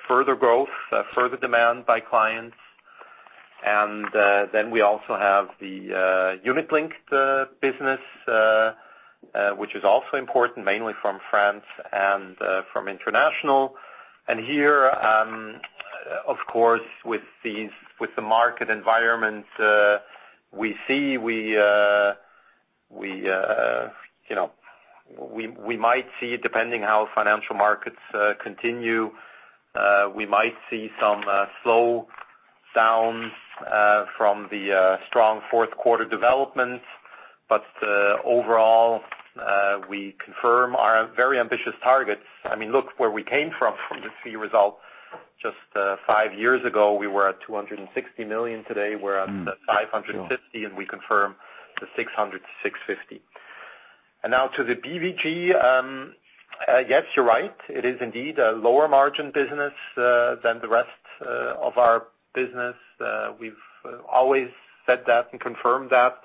further growth, further demand by clients. We also have the unit-linked business, which is also important mainly from France and from international. Here, of course, with the market environment we see, we might see, depending how financial markets continue, we might see some slowdowns from the strong fourth quarter developments. Overall, we confirm our very ambitious targets. Look where we came from, the fee results. Just five years ago, we were at 260 million. Today, we're at 550, and we confirm the 600, 650. Now to the BVG. Yes, you're right. It is indeed a lower margin business than the rest of our business. We've always said that and confirmed that.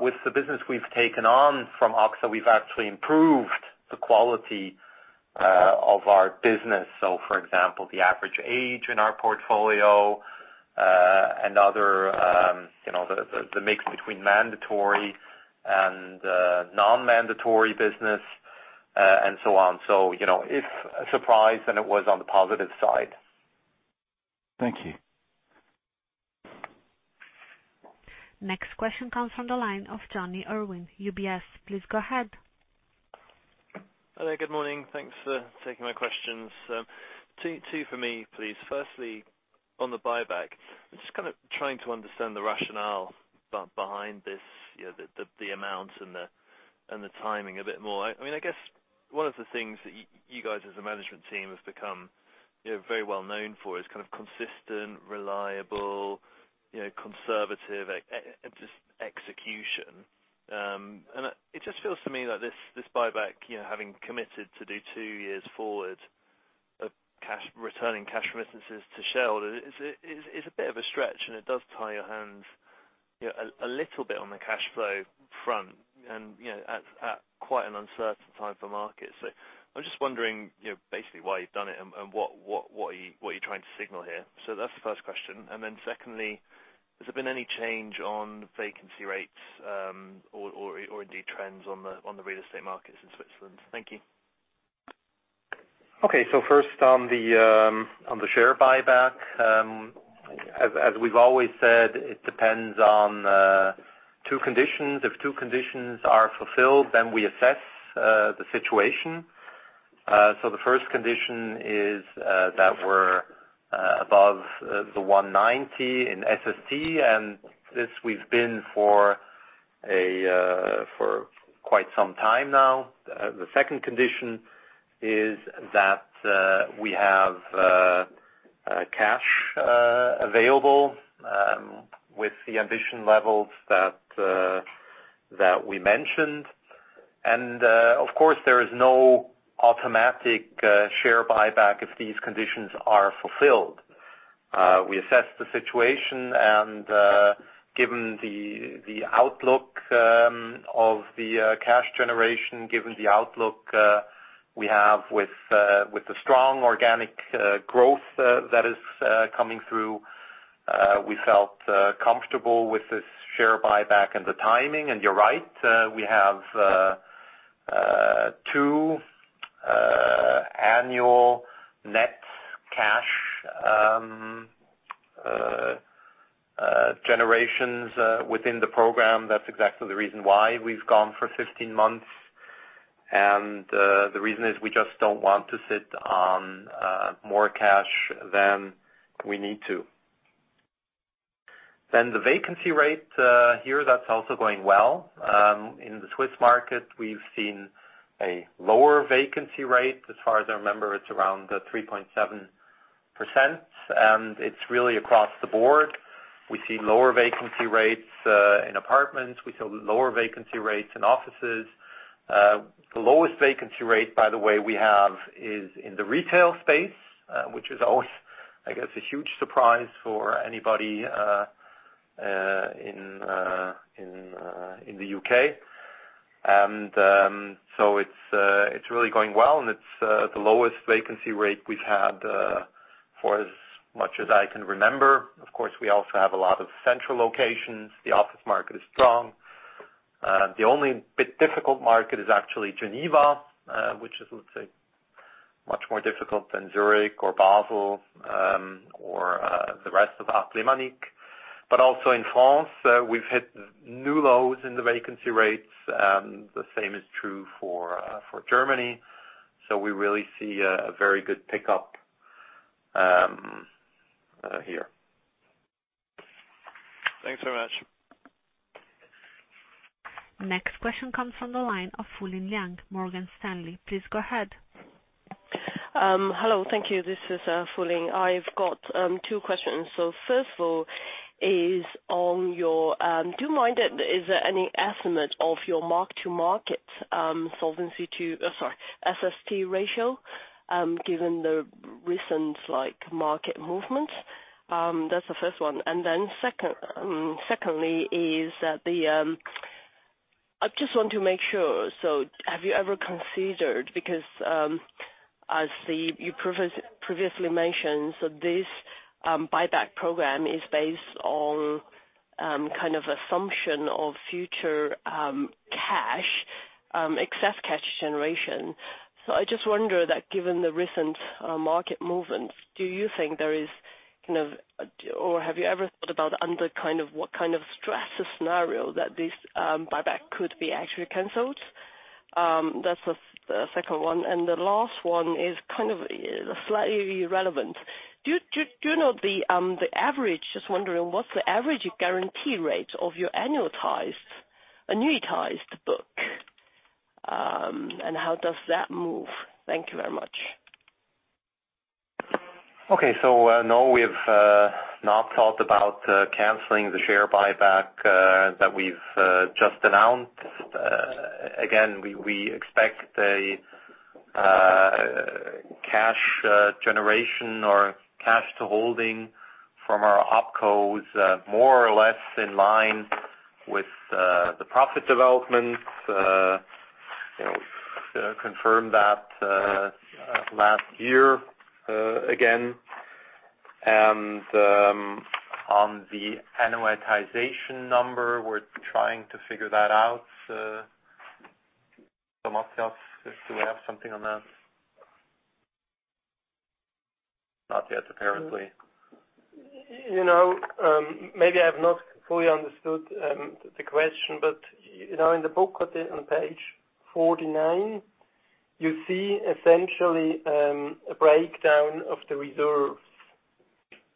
With the business we've taken on from AXA, we've actually improved the quality of our business. For example, the average age in our portfolio, and the mix between mandatory and non-mandatory business, and so on. If a surprise, then it was on the positive side. Thank you. Next question comes from the line of Jonny Irwin, UBS. Please go ahead. Hello, good morning. Thanks for taking my questions. Two for me, please. On the buyback, I'm just trying to understand the rationale behind this, the amount and the timing a bit more. I guess one of the things that you guys as a management team have become very well-known for is consistent, reliable, conservative execution. It just feels to me like this buyback, having committed to do two years forward of returning cash remittances to shareholder, is a bit of a stretch, and it does tie your hands a little bit on the cash flow front and at quite an uncertain time for markets. I'm just wondering, basically, why you've done it and what you're trying to signal here. That's the first question. Secondly, has there been any change on vacancy rates, or indeed trends on the real estate markets in Switzerland? Thank you. First on the share buyback. As we've always said, it depends on two conditions. If two conditions are fulfilled, we assess the situation. The first condition is that we're above the 190 in SST, and this we've been for quite some time now. The second condition is that we have cash available with the ambition levels that we mentioned. Of course, there is no automatic share buyback if these conditions are fulfilled. We assess the situation and given the outlook of the cash generation, given the outlook we have with the strong organic growth that is coming through, we felt comfortable with this share buyback and the timing. You're right, we have two annual net cash generations within the program. That's exactly the reason why we've gone for 15 months. The reason is we just don't want to sit on more cash than we need to. The vacancy rate here, that's also going well. In the Swiss market, we've seen a lower vacancy rate. As far as I remember, it's around 3.7%, and it's really across the board. We see lower vacancy rates in apartments. We see lower vacancy rates in offices. The lowest vacancy rate, by the way, we have is in the retail space, which is always, I guess, a huge surprise for anybody in the U.K. It's really going well, and it's the lowest vacancy rate we've had for as much as I can remember. Of course, we also have a lot of central locations. The office market is strong. The only bit difficult market is actually Geneva, which is, let's say, much more difficult than Zurich or Basel, or the rest of Romandie. Also in France, we've hit new lows in the vacancy rates. The same is true for Germany. We really see a very good pickup here. Thanks very much. Next question comes from the line of Fulin Liang, Morgan Stanley. Please go ahead. Hello. Thank you. This is Fulin. I've got two questions. First of all, is there any estimate of your mark-to-market solvency SST ratio, given the recent market movements? That's the first one. Secondly, I just want to make sure. Have you ever considered, because, as you previously mentioned, this buyback program is based on kind of assumption of future excess cash generation. I just wonder that given the recent market movements, do you think there is kind of, or have you ever thought about under what kind of stress scenario that this buyback could be actually canceled? That's the second one. The last one is kind of slightly relevant. Do you know the average, just wondering, what's the average guarantee rate of your annualized annuitized book? How does that move? Thank you very much. Okay. No, we have not thought about canceling the share buyback that we've just announced. Again, we expect a cash generation or cash to holding from our Opcos more or less in line with the profit development. Confirmed that last year again. On the annuitization number, we're trying to figure that out. Matthias, do we have something on that? Not yet, apparently. I've not fully understood the question, in the book on page 49, you see essentially a breakdown of the reserves.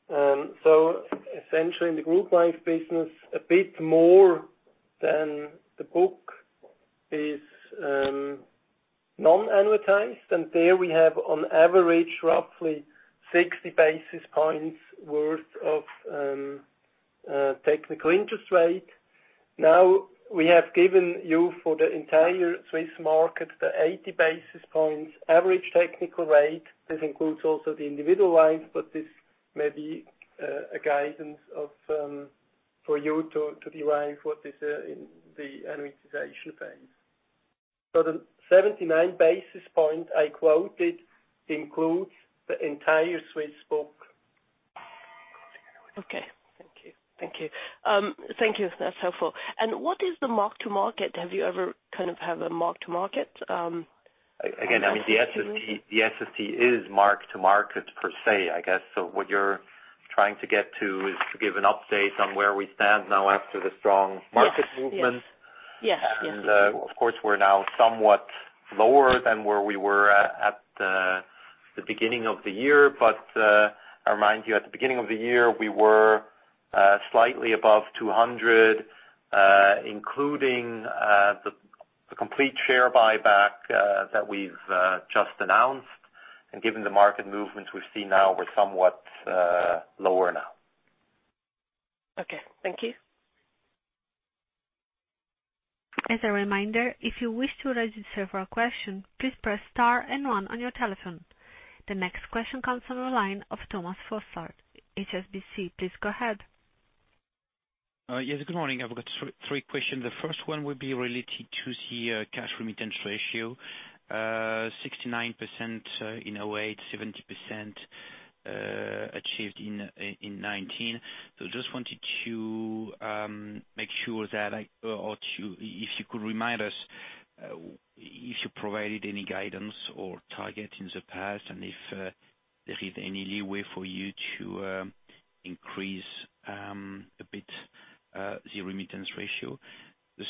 Essentially in the Group Life business, a bit more than the book is non-annuitized, and there we have on average roughly 60 basis points worth of technical interest rate. We have given you for the entire Swiss market the 80 basis points average technical rate. This includes also the individual lives, this may be a guidance for you to derive what is in the annuitization phase. The 79 basis point I quoted includes the entire Swiss book. Okay. Thank you. Thank you. That's helpful. What is the mark-to-market? Have you ever kind of have a mark-to-market? Again, the SST is mark-to-market per se, I guess. What you're trying to get to is to give an update on where we stand now after the strong market movement. Yes. Of course, we're now somewhat lower than where we were at the beginning of the year. I remind you, at the beginning of the year, we were slightly above 200, including the complete share buyback that we've just announced. Given the market movements we've seen now, we're somewhat lower now. Okay. Thank you. As a reminder, if you wish to register for a question, please press star and one on your telephone. The next question comes on the line of Thomas Fossard, HSBC. Please go ahead. Yes. Good morning. I've got three questions. The first one will be related to the cash remittance ratio, 69% in 2008, 70% achieved in 2019. Just wanted to make sure that if you could remind us if you provided any guidance or target in the past and if there is any leeway for you to increase a bit the remittance ratio. The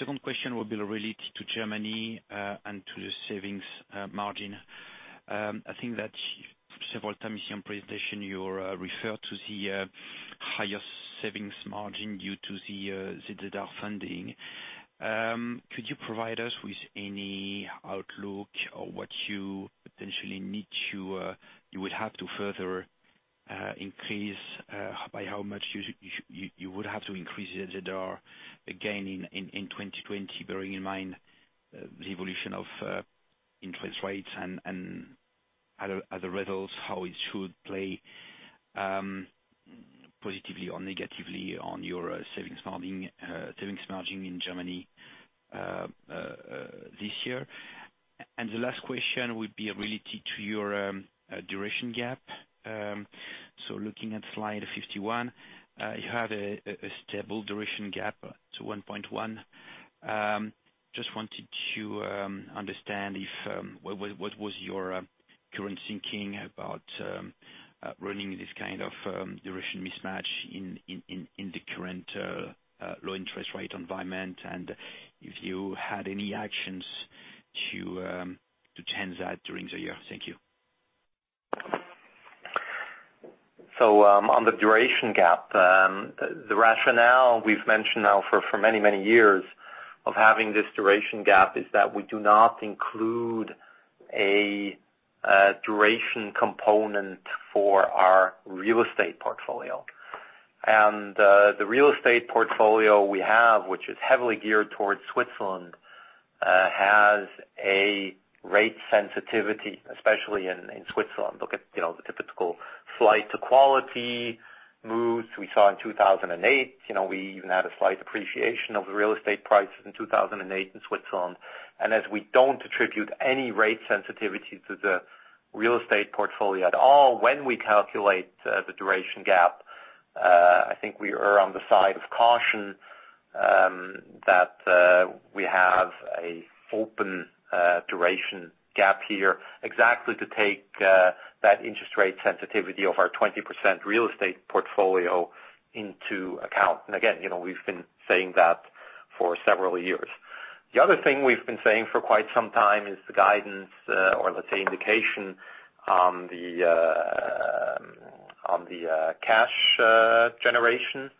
second question will be related to Germany and to the savings margin. I think that several times in your presentation, you referred to the higher savings margin due to the ZZR funding. Could you provide us with any outlook or what you potentially need to further increase, by how much you would have to increase the ZZR again in 2020, bearing in mind the evolution of interest rates and as a result, how it should play positively or negatively on your savings margin in Germany this year. The last question would be related to your duration gap. Looking at slide 51, you had a stable duration gap to 1.1. Just wanted to understand what was your current thinking about running this kind of duration mismatch in the current low interest rate environment, and if you had any actions to change that during the year. Thank you. On the duration gap, the rationale we've mentioned now for many, many years of having this duration gap is that we do not include a duration component for our real estate portfolio. The real estate portfolio we have, which is heavily geared towards Switzerland, has a rate sensitivity, especially in Switzerland. Look at the typical flight to quality moves we saw in 2008. We even had a slight appreciation of the real estate prices in 2008 in Switzerland. As we don't attribute any rate sensitivity to the real estate portfolio at all, when we calculate the duration gap, I think we are on the side of caution that we have a open duration gap here exactly to take that interest rate sensitivity of our 20% real estate portfolio into account. Again, we've been saying that for several years. The other thing we've been saying for quite some time is the guidance, or let's say, indication on the cash generation.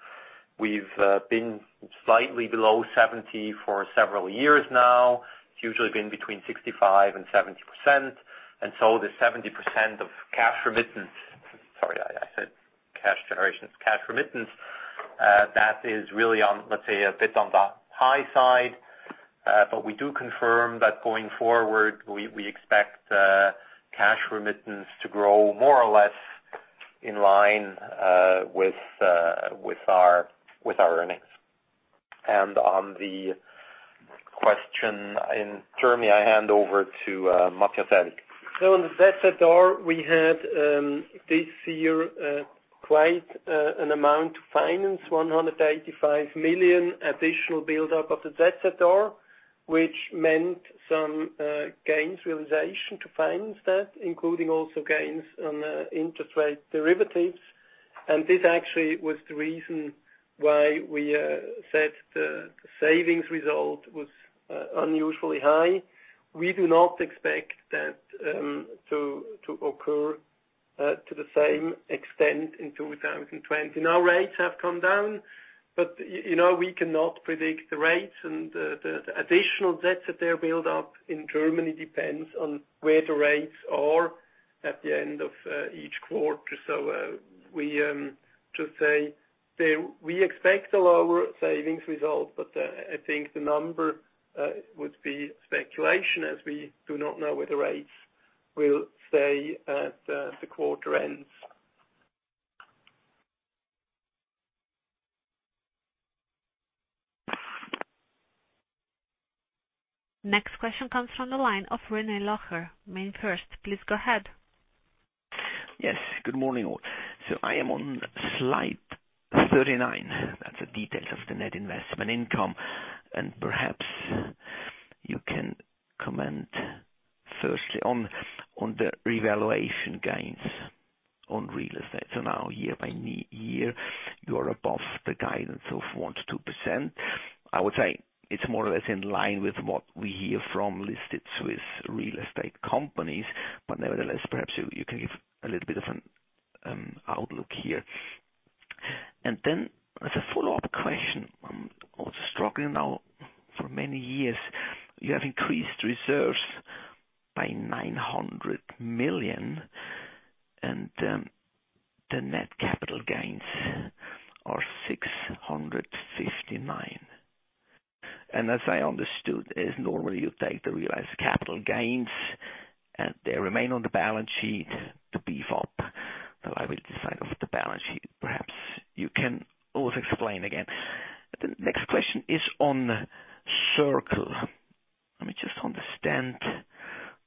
We've been slightly below 70% for several years now. It's usually been between 65% and 70%. The 70% of cash remittance, sorry I said cash generations, cash remittance, that is really on, let's say, a bit on the high side. We do confirm that going forward, we expect cash remittance to grow more or less in line with our earnings. On the question in Germany, I hand over to Matthias Aellig. On the ZZR, we had this year quite an amount to finance, 185 million additional buildup of the ZZR, which meant some gains realization to finance that, including also gains on interest rate derivatives. This actually was the reason why we said the savings result was unusually high. We do not expect that to occur to the same extent in 2020. Rates have come down, but we cannot predict the rates and the additional ZZR that they build up in Germany depends on where the rates are at the end of each quarter. We just say we expect a lower savings result, but I think the number would be speculation as we do not know where the rates will stay at the quarter ends. Next question comes from the line of René Locher. MainFirst, please go ahead. Yes. Good morning all. I am on slide 39. That's the details of the net investment income. Perhaps you can comment firstly on the revaluation gains on real estate. Now year-by-year, you are above the guidance of 1%-2%. I would say it's more or less in line with what we hear from listed Swiss real estate companies. Nevertheless, perhaps you can give a little bit of an outlook here. As a follow-up question, I'm also struggling now, for many years, you have increased reserves by 900 million and the net capital gains are 659. As I understood, as normally you take the realized capital gains and they remain on the balance sheet to beef up. I will decide off the balance sheet. Perhaps you can always explain again. The next question is on Circle. Let me just understand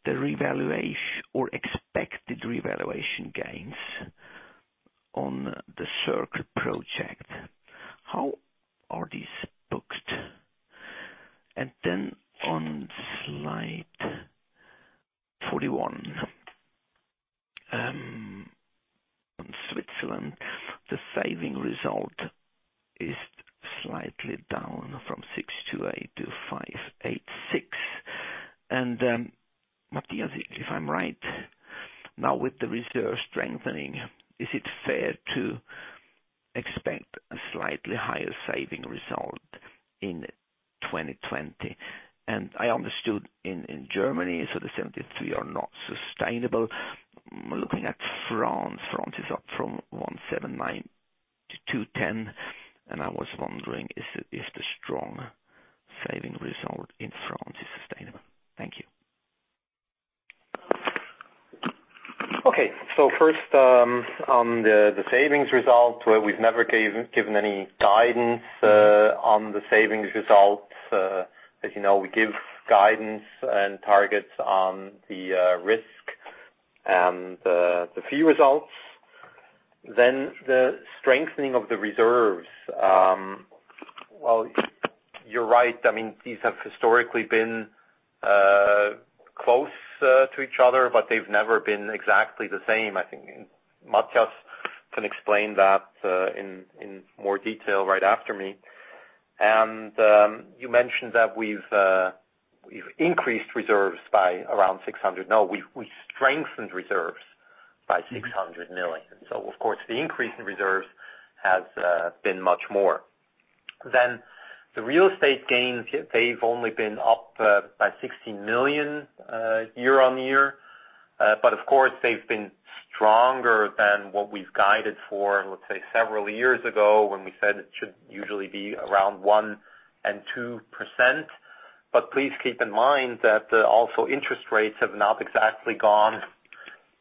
the revaluation or expected revaluation gains on The Circle project. How are these booked? On slide 41, on Switzerland, the saving result is slightly down from six to eight to 586. Matthias, if I'm right now with the reserve strengthening, is it fair to expect a slightly higher saving result in 2020? I understood in Germany, the 73 are not sustainable. Looking at France is up from 179,210. I was wondering, is the strong saving result in France sustainable? Thank you. Okay. First, on the savings results, where we've never given any guidance on the savings results. As you know, we give guidance and targets on the risk and the fee results. The strengthening of the reserves. Well, you're right. These have historically been close to each other, but they've never been exactly the same. I think Matthias can explain that in more detail right after me. You mentioned that we've increased reserves by around 600. No, we strengthened reserves by 600 million. Of course, the increase in reserves has been much more. The real estate gains, they've only been up by 60 million year-on-year. Of course, they've been stronger than what we've guided for, let's say, several years ago when we said it should usually be around 1% and 2%. Please keep in mind that also interest rates have not exactly gone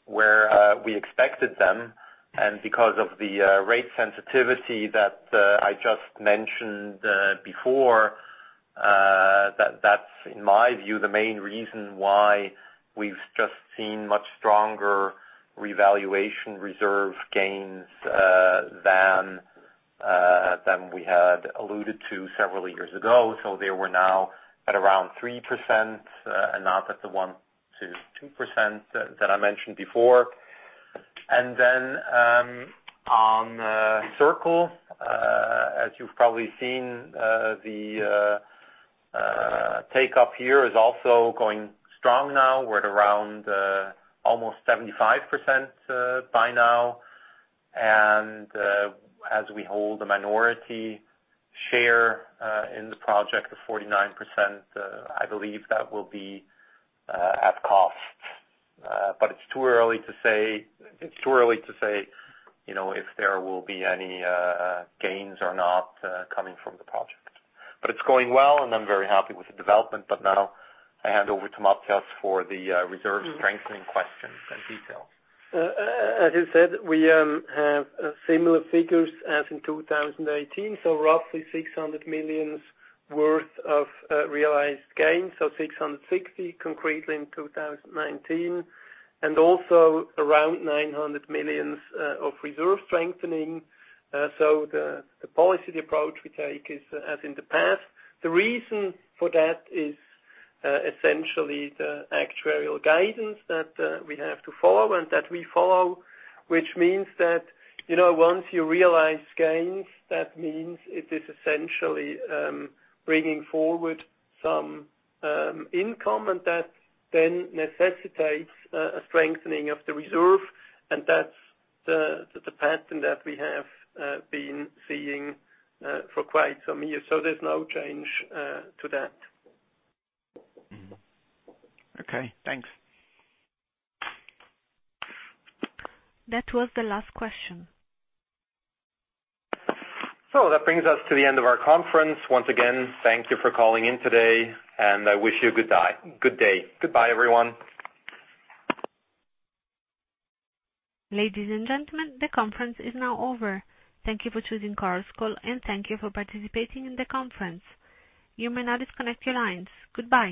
where we expected them, and because of the rate sensitivity that I just mentioned before, that's in my view, the main reason why we've just seen much stronger revaluation reserve gains than we had alluded to several years ago. They were now at around 3% and not at the 1%-2% that I mentioned before. On The Circle, as you've probably seen, the take-up here is also going strong now. We're at around almost 75% by now. As we hold a minority share in the project of 49%, I believe that will be at cost. It's too early to say if there will be any gains or not coming from the project. It's going well, and I'm very happy with the development. Now I hand over to Matthias for the reserve strengthening questions and details. As you said, we have similar figures as in 2018, so roughly 600 million worth of realized gains, 660 concretely in 2019. Also around 900 million of reserve strengthening. The policy approach we take is as in the past. The reason for that is essentially the actuarial guidance that we have to follow and that we follow, which means that, once you realize gains, that means it is essentially bringing forward some income, and that then necessitates a strengthening of the reserve, and that's the pattern that we have been seeing for quite some years. There's no change to that. Okay, thanks. That was the last question. That brings us to the end of our conference. Once again, thank you for calling in today, and I wish you a good day. Goodbye, everyone. Ladies and gentlemen, the conference is now over. Thank you for choosing Chorus Call, and thank you for participating in the conference. You may now disconnect your lines. Goodbye.